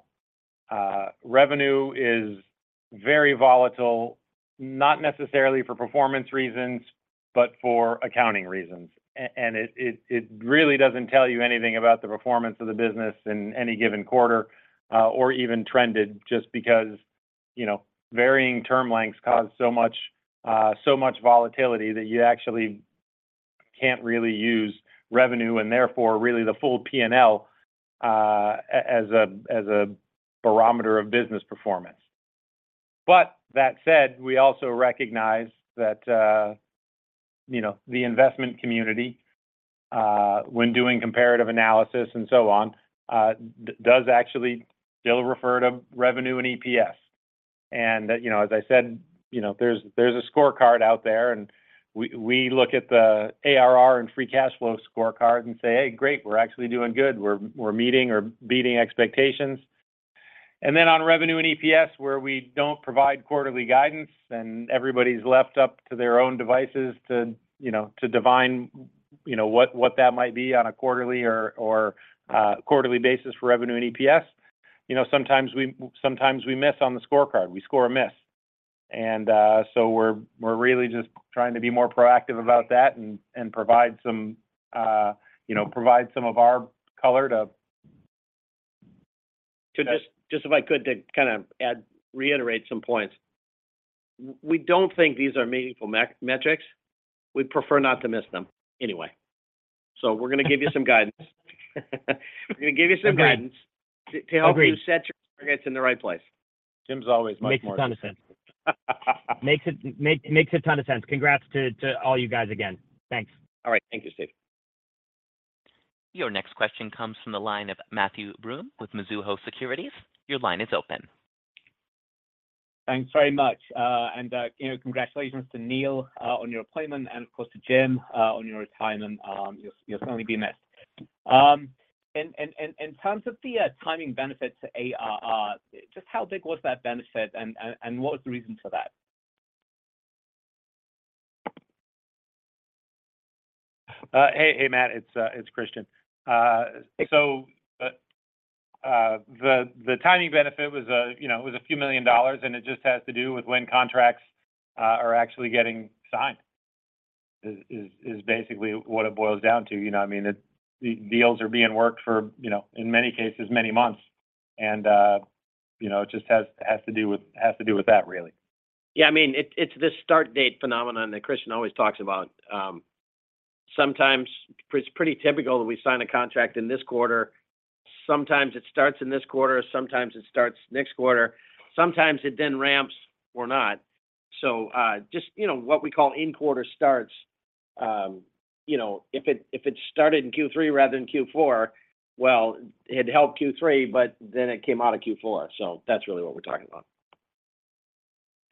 Revenue is very volatile, not necessarily for performance reasons, but for accounting reasons. It really doesn't tell you anything about the performance of the business in any given quarter, or even trended, just because, you know, varying term lengths cause so much volatility that you actually can't really use revenue, and therefore, really the full P&L, as a barometer of business performance. That said, we also recognize that, you know, the investment community, when doing comparative analysis and so on, does actually still refer to revenue and EPS. You know, as I said, you know, there's a scorecard out there, we look at the ARR and free cash flow scorecard and say, "Hey, great. We're actually doing good. We're meeting or beating expectations." On revenue and EPS, where we don't provide quarterly guidance, and everybody's left up to their own devices to, you know, to divine, you know, what that might be on a quarterly or quarterly basis for revenue and EPS. You know, sometimes we miss on the scorecard, we score a miss. We're really just trying to be more proactive about that and provide some, you know, provide some of our color to. To just if I could to kind of add, reiterate some points. We don't think these are meaningful metrics. We'd prefer not to miss them anyway. We're going to give you some guidance. We're going to give you some guidance. Agreed. To help you set your targets in the right place. Jim's always much more- Makes a ton of sense. Makes a ton of sense. Congrats to all you guys again. Thanks. All right. Thank you, Steve. Your next question comes from the line of Matthew Broome with Mizuho Securities. Your line is open. Thanks very much. You know, congratulations to Neil on your appointment and, of course, to Jim on your retirement. You'll certainly be missed. In terms of the timing benefit to ARR, just how big was that benefit? What was the reason for that? Hey, hey, Matt, it's Kristian. The timing benefit was, you know, it was a few million dollars, and it just has to do with when contracts are actually getting signed, is basically what it boils down to. You know what I mean? The deals are being worked for, you know, in many cases, many months. You know, it just has to do with that, really. Yeah, I mean, it's the start date phenomenon that Kristian always talks about. Sometimes it's pretty typical that we sign a contract in this quarter. Sometimes it starts in this quarter, sometimes it starts next quarter. Sometimes it then ramps or not. Just, you know, what we call in-quarter starts, you know, if it started in Q3 rather than Q4, well, it helped Q3, but then it came out of Q4. That's really what we're talking about.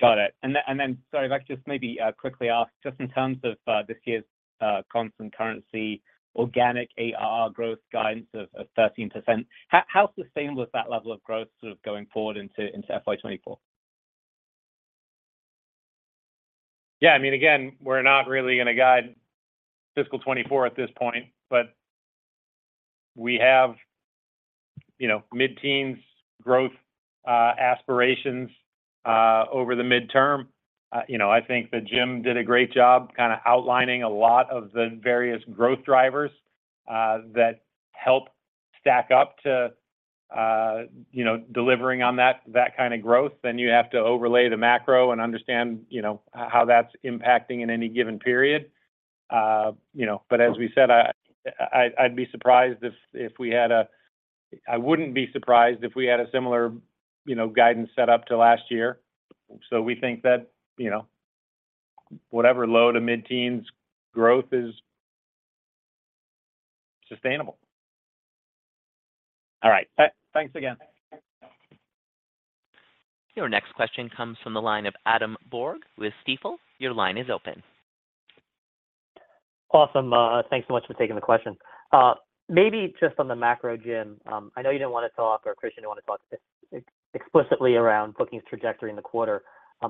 Got it. Then, sorry, if I could just maybe quickly ask, just in terms of this year's constant currency, organic ARR growth guidance of 13%, how sustainable is that level of growth sort of going forward into FY 2024? Yeah, I mean, again, we're not really going to guide fiscal 2024 at this point, but we have, you know, mid-teens growth aspirations over the midterm. You know, I think that Jim did a great job kind of outlining a lot of the various growth drivers that help stack up to delivering on that kind of growth. You have to overlay the macro and understand, you know, how that's impacting in any given period. But as we said, I wouldn't be surprised if we had a similar, you know, guidance set up to last year. We think that, you know, whatever low to mid-teens growth is sustainable. All right. Thanks again. Your next question comes from the line of Adam Borg with Stifel. Your line is open. Awesome, thanks so much for taking the question. Maybe just on the macro, Jim, I know you didn't want to talk, or Kristian, you didn't want to talk explicitly around bookings' trajectory in the quarter.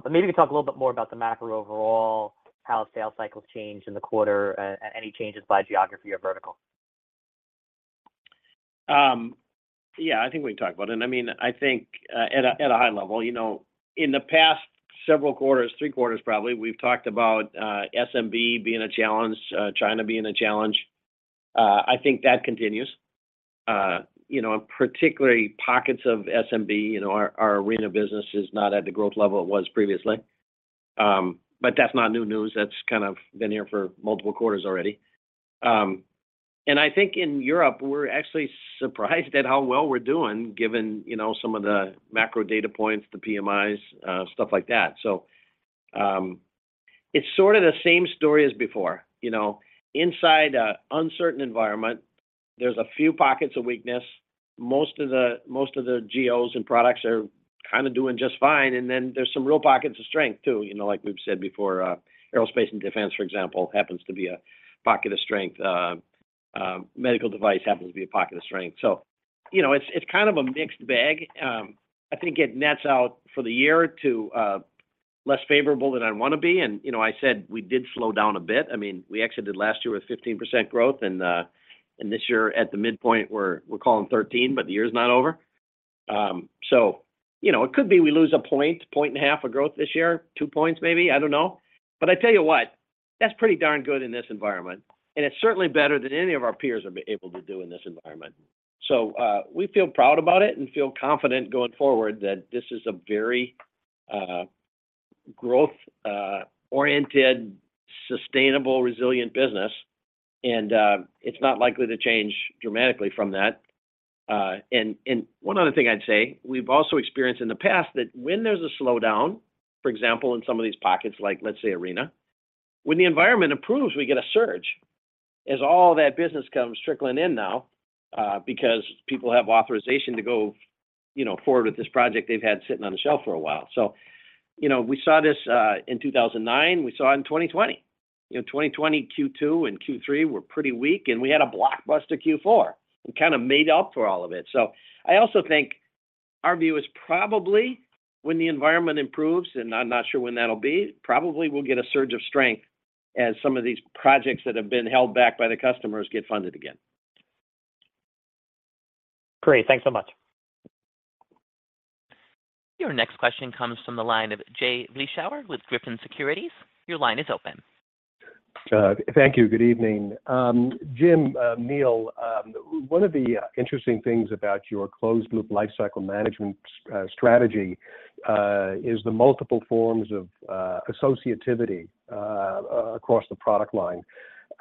Maybe you could talk a little bit more about the macro overall, how sales cycles changed in the quarter, and any changes by geography or vertical. Yeah, I think we can talk about it. I mean, I think, at a high level, you know, in the past several quarters, three quarters, probably, we've talked about SMB being a challenge, China being a challenge. I think that continues. You know, and particularly pockets of SMB, you know, our Arena business is not at the growth level it was previously. That's not new news. That's kind of been here for multiple quarters already. I think in Europe, we're actually surprised at how well we're doing, given, you know, some of the macro data points, the PMIs, stuff like that. It's sort of the same story as before. You know, inside an uncertain environment, there's a few pockets of weakness. Most of the geos and products are kind of doing just fine, and then there's some real pockets of strength, too. You know, like we've said before, aerospace and defense, for example, happens to be a pocket of strength. Medical device happens to be a pocket of strength. You know, it's kind of a mixed bag. I think it nets out for the year to less favorable than I'd want to be, and, you know, I said we did slow down a bit. I mean, we exited last year with 15% growth, and this year, at the midpoint, we're calling 13, but the year's not over. You know, it could be we lose a point and a half of growth this year, two points maybe, I don't know. I tell you what, that's pretty darn good in this environment, and it's certainly better than any of our peers will be able to do in this environment. We feel proud about it and feel confident going forward that this is a very, growth oriented, sustainable, resilient business, and it's not likely to change dramatically from that. One other thing I'd say, we've also experienced in the past that when there's a slowdown, for example, in some of these pockets, like, let's say Arena, when the environment improves, we get a surge, as all that business comes trickling in now, because people have authorization to go, you know, forward with this project they've had sitting on the shelf for a while. You know, we saw this, in 2009, we saw it in 2020. You know, 2020 Q2 and Q3 were pretty weak. We had a blockbuster Q4. It kind of made up for all of it. I also think our view is probably when the environment improves, and I'm not sure when that'll be, probably we'll get a surge of strength as some of these projects that have been held back by the customers get funded again. Great. Thanks so much. Your next question comes from the line of Jay Vleeschhouwer with Griffin Securities. Your line is open. Thank you. Good evening. Jim, Neil, one of the interesting things about your closed loop lifecycle management strategy is the multiple forms of associativity across the product line.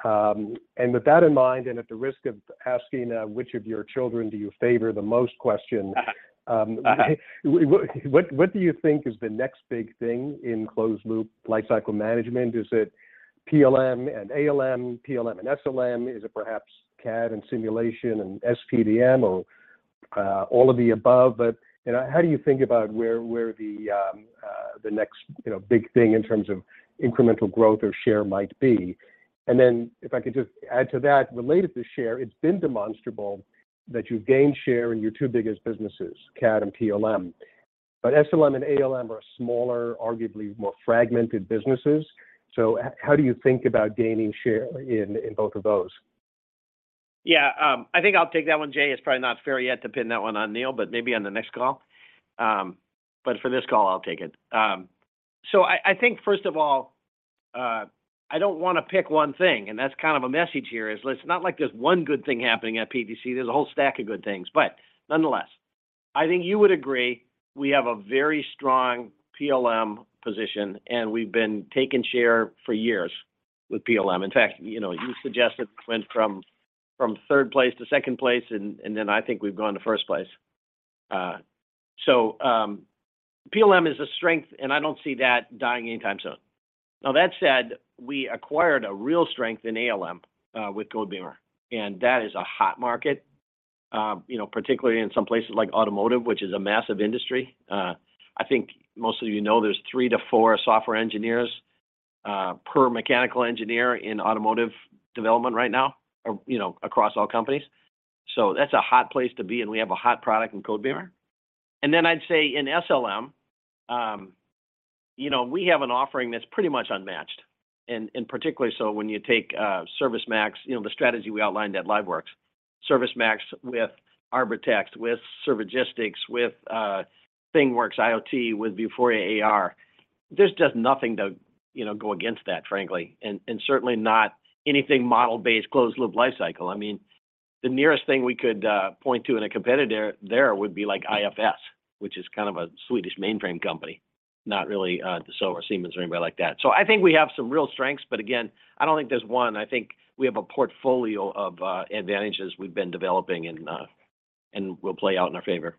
With that in mind, and at the risk of asking, which of your children do you favor the most question. What do you think is the next big thing in closed loop lifecycle management? Is it PLM and ALM, PLM and SLM? Is it perhaps CAD and simulation and SPDM or all of the above? You know, how do you think about where the next, you know, big thing in terms of incremental growth or share might be? If I could just add to that, related to share, it's been demonstrable that you've gained share in your two biggest businesses, CAD and PLM. SLM and ALM are smaller, arguably more fragmented businesses. How do you think about gaining share in both of those? Yeah, I think I'll take that one, Jay. It's probably not fair yet to pin that one on Neil, but maybe on the next call. For this call, I'll take it. I think first of all, I don't want to pick one thing, and that's kind of a message here is, it's not like there's one good thing happening at PTC. There's a whole stack of good things. Nonetheless, I think you would agree, we have a very strong PLM position, and we've been taking share for years with PLM. In fact, you know, you suggested went from third place to second place, and then I think we've gone to first place. PLM is a strength, and I don't see that dying anytime soon. That said, we acquired a real strength in ALM with Codebeamer, and that is a hot market. You know, particularly in some places like automotive, which is a massive industry. I think most of you know, there's three to four software engineers per mechanical engineer in automotive development right now, or, you know, across all companies. That's a hot place to be, and we have a hot product in Codebeamer. I'd say in SLM, you know, we have an offering that's pretty much unmatched. Particularly so when you take ServiceMax, you know, the strategy we outlined at LiveWorx, ServiceMax with Arbortext, with Servigistics, with ThingWorx IoT, with Vuforia AR. There's just nothing to, you know, go against that, frankly, and certainly not anything model-based closed loop lifecycle. I mean, the nearest thing we could point to in a competitor there would be like IFS, which is kind of a Swedish mainframe company, not really Dassault or Siemens or anybody like that. I think we have some real strengths, but again, I don't think there's one. I think we have a portfolio of advantages we've been developing and will play out in our favor.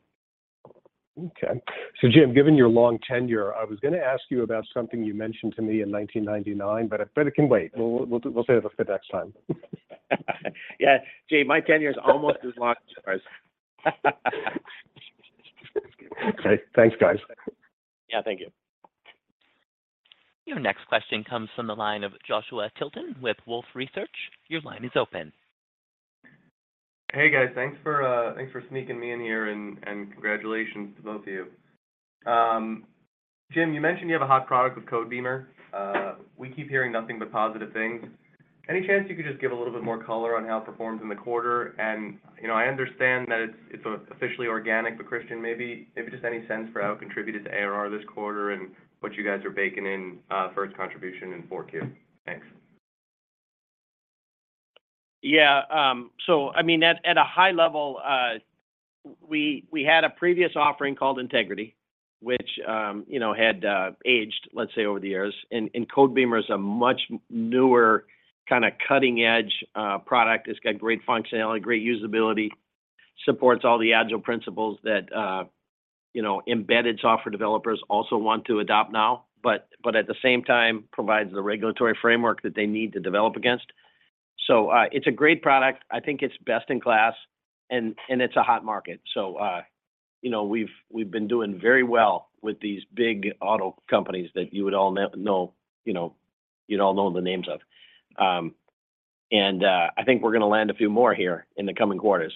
Okay. Jim, given your long tenure, I was gonna ask you about something you mentioned to me in 1999, but it can wait. We'll save it for the next time. Yeah. Jay, my tenure is almost as long as yours. Okay. Thanks, guys. Yeah. Thank you. Your next question comes from the line of Joshua Tilton with Wolfe Research. Your line is open. Hey, guys. Thanks for thanks for sneaking me in here, and congratulations to both of you. Jim, you mentioned you have a hot product with Codebeamer. We keep hearing nothing but positive things. Any chance you could just give a little bit more color on how it performs in the quarter? You know, I understand that it's officially organic, but Kristian, just any sense for how it contributed to ARR this quarter and what you guys are baking in for its contribution in 4Q. Thanks. Yeah, I mean, at a high level, we had a previous offering called Integrity, which, you know, had aged, let's say, over the years. Codebeamer is a much newer, kind of cutting edge product. It's got great functionality, great usability, supports all the agile principles that, you know, embedded software developers also want to adopt now, but at the same time, provides the regulatory framework that they need to develop against. It's a great product. I think it's best in class, and it's a hot market. You know, we've been doing very well with these big auto companies that you would all know, you know, you'd all know the names of. I think we're going to land a few more here in the coming quarters.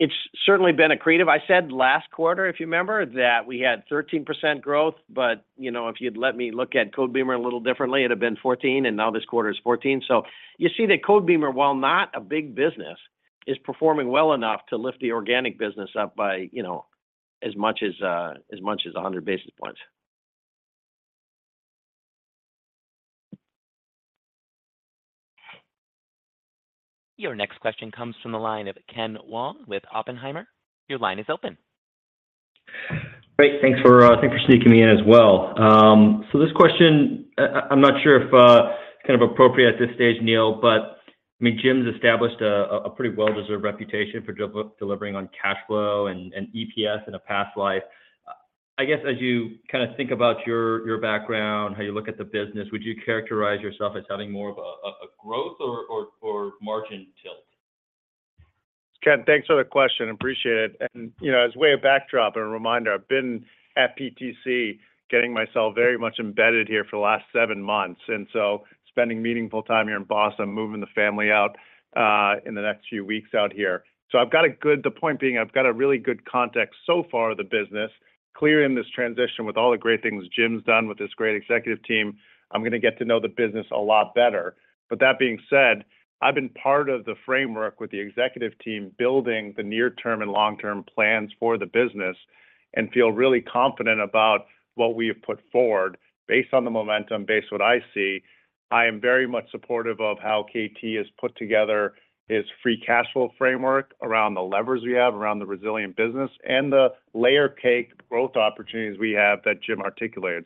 It's certainly been accretive. I said last quarter, if you remember, that we had 13% growth, but, you know, if you'd let me look at Codebeamer a little differently, it have been 14, and now this quarter is 14. You see that Codebeamer, while not a big business, is performing well enough to lift the organic business up by, you know, as much as a 100 basis points. Your next question comes from the line of Ken Wong with Oppenheimer. Your line is open. Great. Thanks for thanks for sneaking me in as well. This question, I'm not sure if kind of appropriate at this stage, Neil, but I mean, Jim's established a pretty well-deserved reputation for delivering on cash flow and EPS in a past life. I guess as you kind of think about your background, how you look at the business, would you characterize yourself as having more of a growth or margin tilt? Ken, thanks for the question. Appreciate it. You know, as way of backdrop and a reminder, I've been at PTC getting myself very much embedded here for the last seven months, spending meaningful time here in Boston, moving the family out in the next few weeks out here. The point being, I've got a really good context so far of the business, clear in this transition with all the great things Jim's done with this great executive team, I'm going to get to know the business a lot better. That being said, I've been part of the framework with the executive team, building the near-term and long-term plans for the business, and feel really confident about what we have put forward based on the momentum, based on what I see. I am very much supportive of how KT has put together his free cash flow framework around the levers we have, around the resilient business, and the layer cake growth opportunities we have that Jim articulated.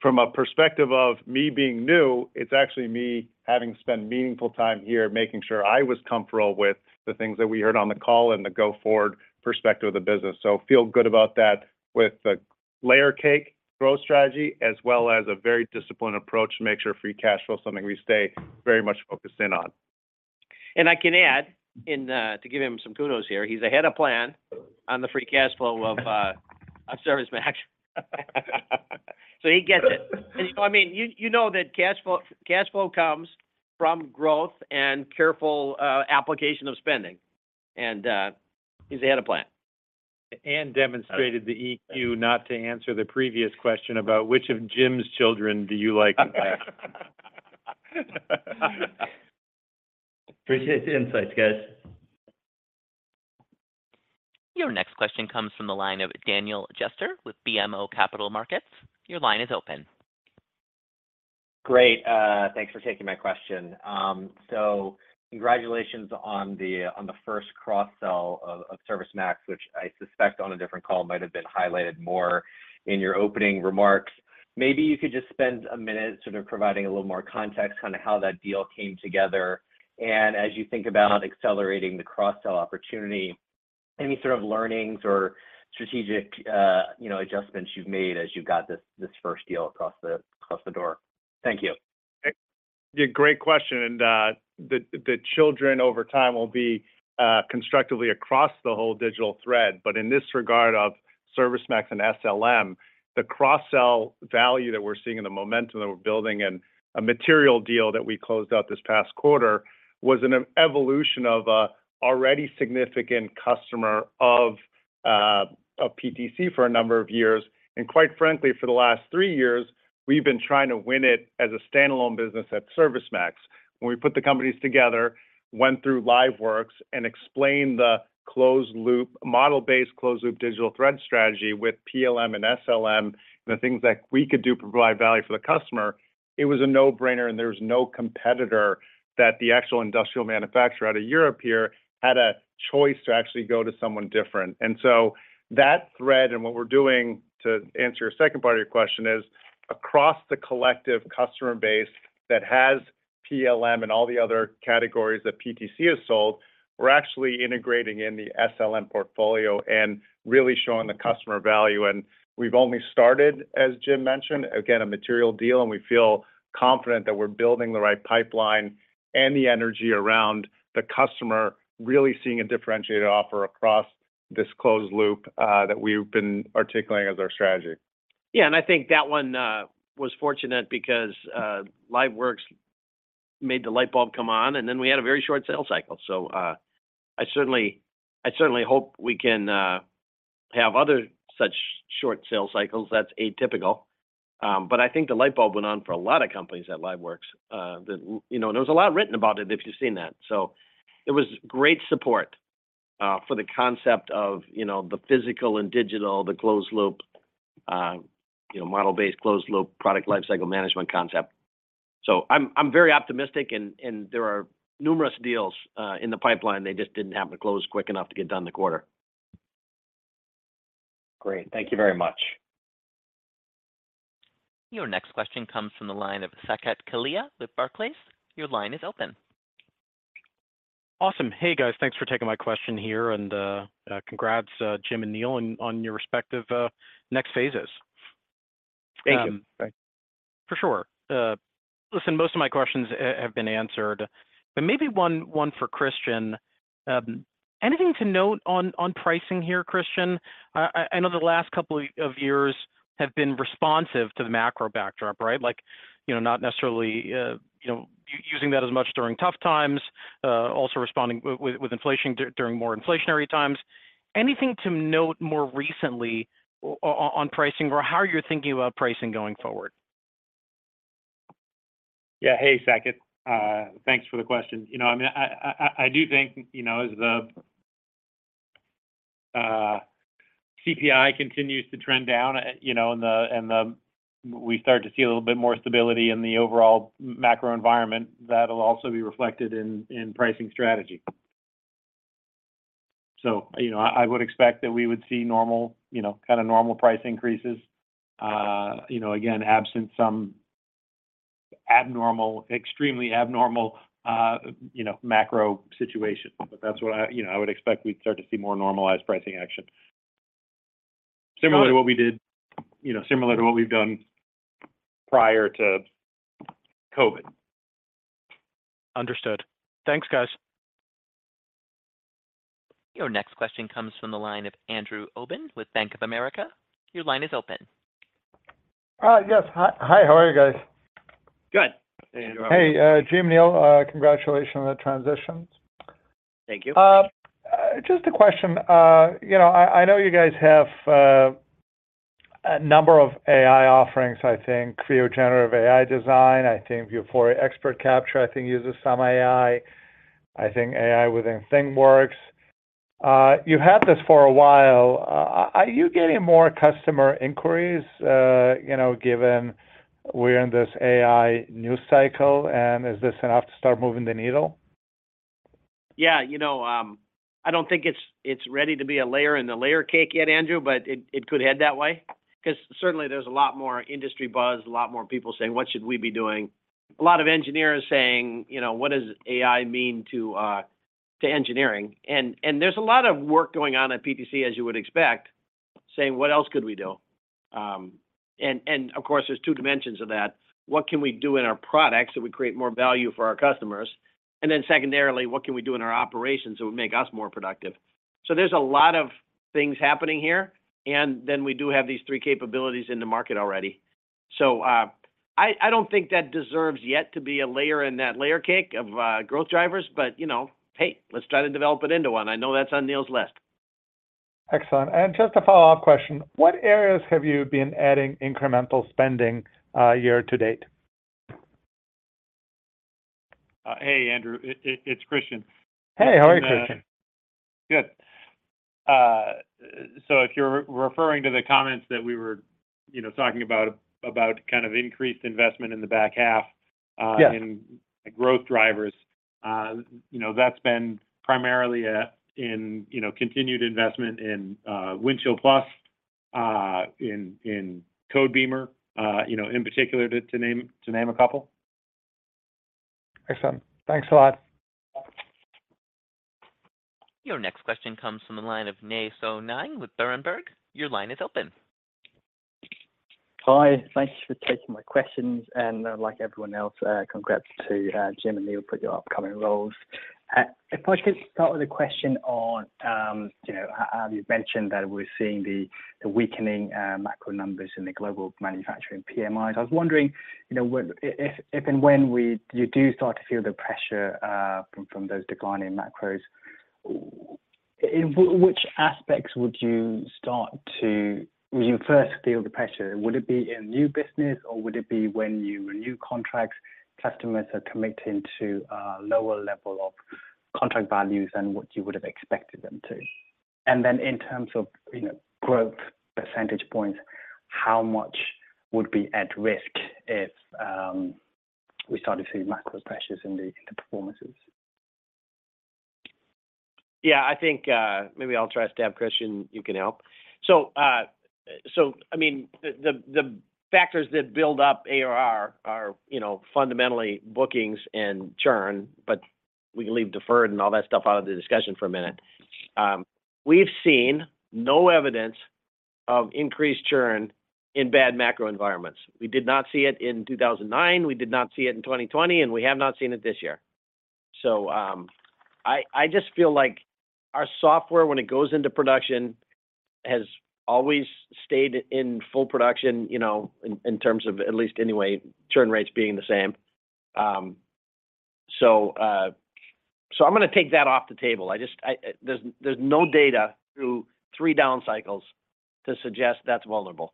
From a perspective of me being new, it's actually me having spent meaningful time here, making sure I was comfortable with the things that we heard on the call and the go-forward perspective of the business. Feel good about that with the layer cake growth strategy, as well as a very disciplined approach to make sure free cash flow is something we stay very much focused in on. I can add, and, to give him some kudos here, he's ahead of plan on the free cash flow of ServiceMax. He gets it. I mean, you know that cash flow comes from growth and careful application of spending, and, he's ahead of plan. Demonstrated the eQ not to answer the previous question about which of Jim's children do you like the best? Appreciate the insights, guys. Your next question comes from the line of Daniel Jester with BMO Capital Markets. Your line is open. Great. Thanks for taking my question. Congratulations on the first cross-sell of ServiceMax, which I suspect on a different call, might have been highlighted more in your opening remarks. Maybe you could just spend a minute sort of providing a little more context, kind of how that deal came together. As you think about accelerating the cross-sell opportunity, any sort of learnings or strategic, you know, adjustments you've made as you got this first deal across the door? Thank you. Great question, the children over time will be constructively across the whole digital thread. In this regard of ServiceMax and SLM, the cross-sell value that we're seeing and the momentum that we're building, and a material deal that we closed out this past quarter, was an evolution of a already significant customer of PTC for a number of years. Quite frankly, for the last three years, we've been trying to win it as a standalone business at ServiceMax. When we put the companies together, went through LiveWorx, and explained the closed-loop, model-based, closed-loop digital thread strategy with PLM and SLM, and the things that we could do to provide value for the customer, it was a no-brainer, and there was no competitor that the actual industrial manufacturer out of Europe here had a choice to actually go to someone different. That thread, and what we're doing, to answer your second part of your question, is across the collective customer base that has PLM and all the other categories that PTC has sold, we're actually integrating in the SLM portfolio and really showing the customer value. We've only started, as Jim mentioned, again, a material deal, and we feel confident that we're building the right pipeline and the energy around the customer, really seeing a differentiated offer across this closed loop, that we've been articulating as our strategy. I think that one was fortunate because LiveWorx made the light bulb come on, and then we had a very short sales cycle. I certainly hope we can have other such short sales cycles. That's atypical. I think the light bulb went on for a lot of companies at LiveWorx. That, you know, there was a lot written about it, if you've seen that. It was great support for the concept of, you know, the physical and digital, the closed-loop, you know, model-based, closed-loop Product Lifecycle Management concept. I'm very optimistic, and there are numerous deals in the pipeline. They just didn't happen to close quick enough to get done in the quarter. Great. Thank you very much. Your next question comes from the line of Saket Kalia with Barclays. Your line is open. Awesome. Hey, guys. Thanks for taking my question here, and congrats, Jim and Neil, on your respective next phases. Thank you. Thanks. For sure. listen, most of my questions have been answered, but maybe one for Kristian. Anything to note on pricing here, Kristian? I know the last couple of years have been responsive to the macro backdrop, right? Like, you know, not necessarily, you know, using that as much during tough times, also responding with inflation during more inflationary times. Anything to note more recently on pricing or how you're thinking about pricing going forward? Hey, Saket, thanks for the question. You know, I mean, I, I do think, you know, as the CPI continues to trend down, you know, and we start to see a little bit more stability in the overall macro environment, that'll also be reflected in pricing strategy. I would expect that we would see normal, you know, kind of normal price increases. You know, again, absent some abnormal, extremely abnormal, you know, macro situation. You know, I would expect we'd start to see more normalized pricing action. Similar to what we did, you know, similar to what we've done prior to COVID. Understood. Thanks, guys. Your next question comes from the line of Andrew Obin with Bank of America. Your line is open. Yes. Hi. Hi, how are you guys? Good. Hey, Andrew. Hey, Jim, Neil, congratulations on the transitions. Thank you. Just a question. You know, I know you guys have a number of AI offerings, I think. Creo Generative Design, I think Vuforia Expert Capture, I think uses some AI. I think AI within ThingWorx. You've had this for a while. Are you getting more customer inquiries, you know, given we're in this AI news cycle, and is this enough to start moving the needle? Yeah, you know, I don't think it's ready to be a layer in the layer cake yet, Andrew, but it could head that way. 'Cause certainly there's a lot more industry buzz, a lot more people saying, "What should we be doing?" A lot of engineers saying, you know, "What does AI mean to engineering?" There's a lot of work going on at PTC, as you would expect, saying: What else could we do? Of course, there's two dimensions of that. What can we do in our products that would create more value for our customers? Secondarily, what can we do in our operations that would make us more productive? There's a lot of things happening here, and then we do have these three capabilities in the market already. I don't think that deserves yet to be a layer in that layer cake of growth drivers, but, you know, hey, let's try to develop it into one. I know that's on Neil's list. Excellent. Just a follow-up question, what areas have you been adding incremental spending year to date? Hey, Andrew, it's Kristian. Hey, how are you, Kristian? Good. If you're referring to the comments that we were, you know, talking about kind of increased investment in the back half... Yeah... in growth drivers, you know, that's been primarily in, you know, continued investment in Windchill+, in Codebeamer, you know, in particular, to name a couple. Excellent. Thanks a lot. Your next question comes from the line of Gal Munda with Berenberg. Your line is open. Hi, thank you for taking my questions. Like everyone else, congrats to Jim and Neil for your upcoming roles. If I could start with a question on, you know, you've mentioned that we're seeing the weakening macro numbers in the global manufacturing PMIs. I was wondering, you know, when if and when you do start to feel the pressure from those declining macros, in which aspects would you first feel the pressure? Would it be in new business, or would it be when you renew contracts, customers are committing to a lower level of contract values than what you would have expected them to? In terms of, you know, growth percentage points, how much would be at risk if we started to see macro pressures in the, in the performances? Yeah, I think, maybe I'll try to stab, Kristian, you can help. I mean, the factors that build up ARR are, you know, fundamentally bookings and churn, but we can leave deferred and all that stuff out of the discussion for a minute. We've seen no evidence of increased churn in bad macro environments. We did not see it in 2009, we did not see it in 2020, and we have not seen it this year. I just feel like our software, when it goes into production, has always stayed in full production, you know, in terms of at least anyway, churn rates being the same. I'm going to take that off the table. I just, there's no data through three down cycles to suggest that's vulnerable.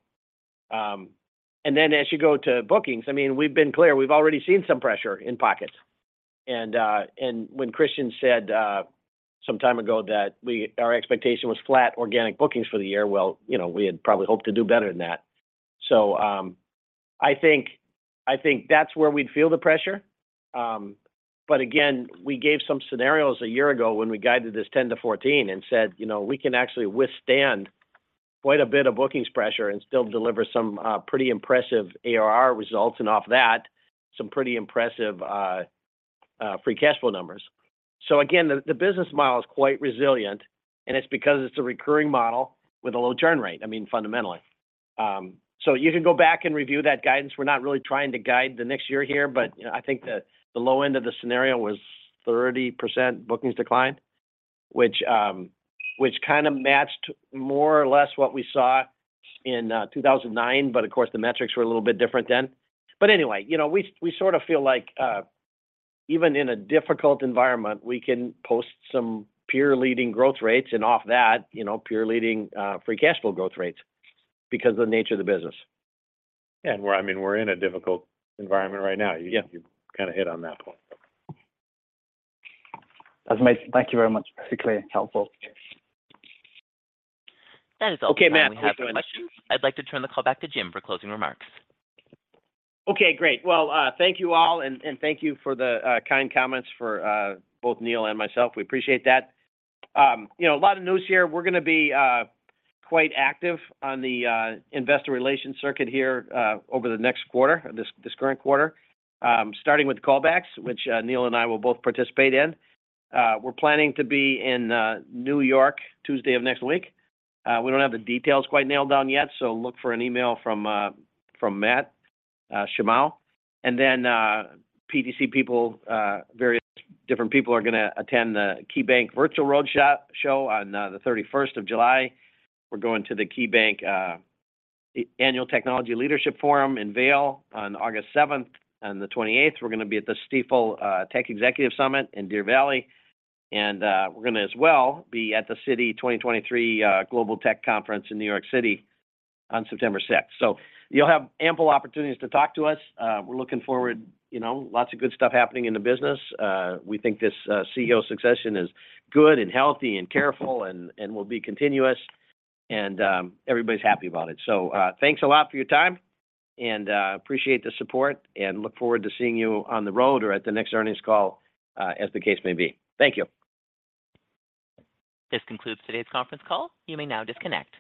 As you go to bookings, I mean, we've been clear, we've already seen some pressure in pockets. When Kristian said some time ago that our expectation was flat organic bookings for the year, well, you know, we had probably hoped to do better than that. I think that's where we'd feel the pressure. Again, we gave some scenarios a year ago when we guided this 10-14 and said, you know, we can actually withstand quite a bit of bookings pressure and still deliver some pretty impressive ARR results, and off that, some pretty impressive free cash flow numbers. Again, the business model is quite resilient, and it's because it's a recurring model with a low churn rate, I mean, fundamentally. You can go back and review that guidance. We're not really trying to guide the next year here, you know, I think the low end of the scenario was 30% bookings decline, which kind of matched more or less what we saw in 2009. Of course, the metrics were a little bit different then. Anyway, you know, we sort of feel like, even in a difficult environment, we can post some peer-leading growth rates, and off that, you know, peer-leading, free cash flow growth rates because of the nature of the business. We're, I mean, we're in a difficult environment right now. Yeah, you kind of hit on that point. That's amazing. Thank you very much. Extremely helpful. That is all the time we have for questions. Okay, Matt. I'd like to turn the call back to Jim for closing remarks. Okay, great. Well, thank you all, and thank you for the kind comments for both Neil and myself. We appreciate that. You know, a lot of news here. We're gonna be quite active on the investor relations circuit here over the next quarter, this current quarter. Starting with the callbacks, which Neil and I will both participate in. We're planning to be in New York, Tuesday of next week. We don't have the details quite nailed down yet, so look for an email from Matt Shimao. PTC people, various different people are gonna attend the KeyBank Virtual Roadshow on the 31st of July. We're going to the KeyBank Annual Technology Leadership Forum in Vail on August 7th. On the 28th, we're gonna be at the Stifel Tech Executive Summit in Deer Valley. We're gonna as well be at the Citi 2023 Global Technology Conference in New York City on September 6th. You'll have ample opportunities to talk to us. We're looking forward, you know, lots of good stuff happening in the business. We think this CEO succession is good, and healthy, and careful, and will be continuous, and everybody's happy about it. Thanks a lot for your time, and appreciate the support, and look forward to seeing you on the road or at the next earnings call, as the case may be. Thank you. This concludes today's conference call. You may now disconnect.